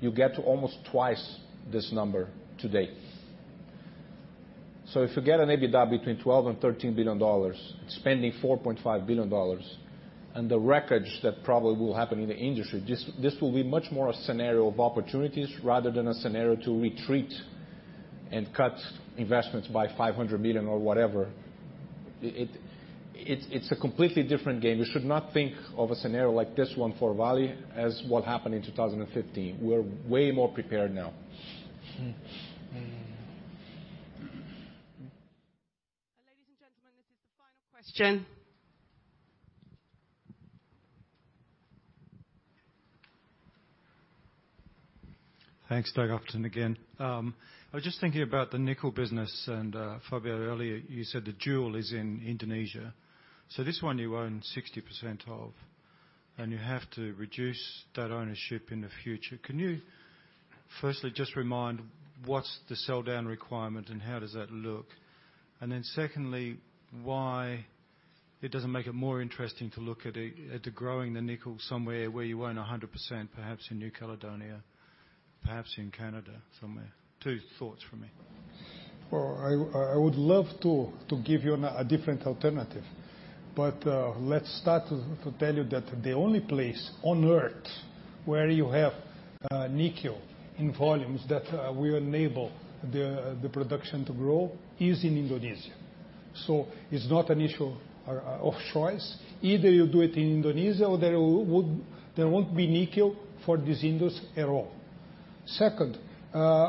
you get to almost twice this number today. If you get an EBITDA between $12 billion and $13 billion, spending $4.5 billion, and the wreckage that probably will happen in the industry, this will be much more a scenario of opportunities rather than a scenario to retreat and cut investments by $500 million or whatever. It's a completely different game. You should not think of a scenario like this one for Vale as what happened in 2015. We're way more prepared now. Ladies and gentlemen, this is the final question. Thanks. Doug Upton again. I was just thinking about the nickel business, and Fabio, earlier you said the jewel is in Indonesia. This one you own 60% of, and you have to reduce that ownership in the future. Can you firstly just remind what's the sell-down requirement and how does that look? Secondly, why it doesn't make it more interesting to look at growing the nickel somewhere where you own 100%, perhaps in New Caledonia, perhaps in Canada, somewhere. Two thoughts from me. Well, I would love to give you a different alternative. Let's start to tell you that the only place on Earth where you have nickel in volumes that will enable the production to grow is in Indonesia. It's not an issue of choice. Either you do it in Indonesia or there won't be nickel for this industry at all. Second,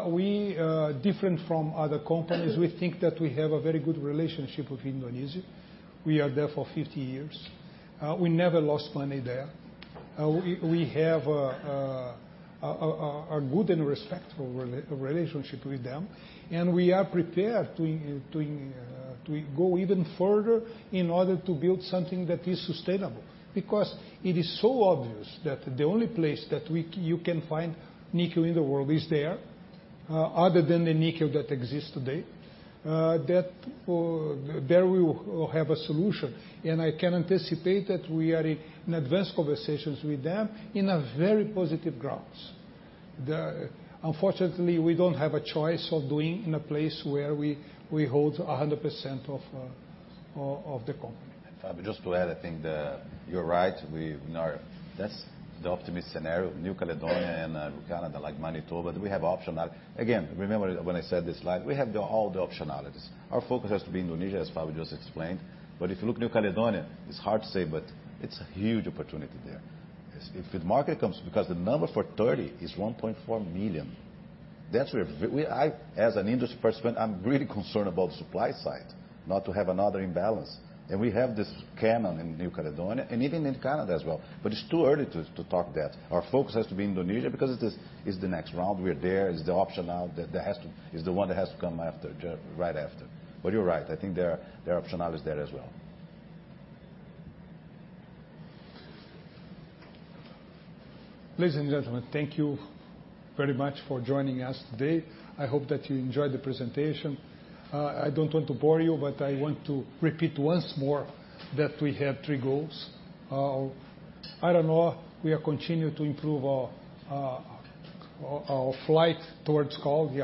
we are different from other companies. We think that we have a very good relationship with Indonesia. We are there for 50 years. We never lost money there. We have a good and respectful relationship with them, and we are prepared to go even further in order to build something that is sustainable. It is so obvious that the only place that you can find nickel in the world is there, other than the nickel that exists today, that there we will have a solution. I can anticipate that we are in advanced conversations with them in a very positive grounds. Unfortunately, we don't have a choice of doing in a place where we hold 100% of the company. Fabio, just to add, I think that you're right. That's the optimist scenario. New Caledonia and Canada, like Manitoba, we have optional. Again, remember when I said this slide, we have all the optionalities. Our focus has to be Indonesia, as Fabio just explained. If you look New Caledonia, it's hard to say, but it's a huge opportunity there. If the market comes, the number for 30 is 1.4 million. As an industry person, I'm really concerned about the supply side, not to have another imbalance. We have this cannon in New Caledonia and even in Canada as well. It's too early to talk that. Our focus has to be Indonesia because it's the next round. We're there. It's the one that has to come right after. You're right, I think there are optionalities there as well. Ladies and gentlemen, thank you very much for joining us today. I hope that you enjoyed the presentation. I don't want to bore you, but I want to repeat once more that we have three goals. Iron ore, we are continuing to improve our own flight towards quality.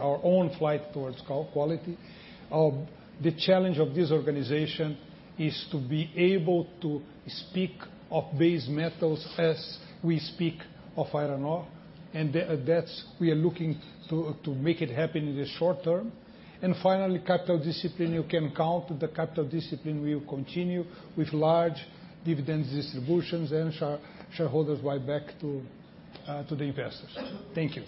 The challenge of this organization is to be able to speak of base metals as we speak of iron ore, that we are looking to make it happen in the short term. Finally, capital discipline. You can count the capital discipline will continue with large dividend distributions and shareholders right back to the investors. Thank you.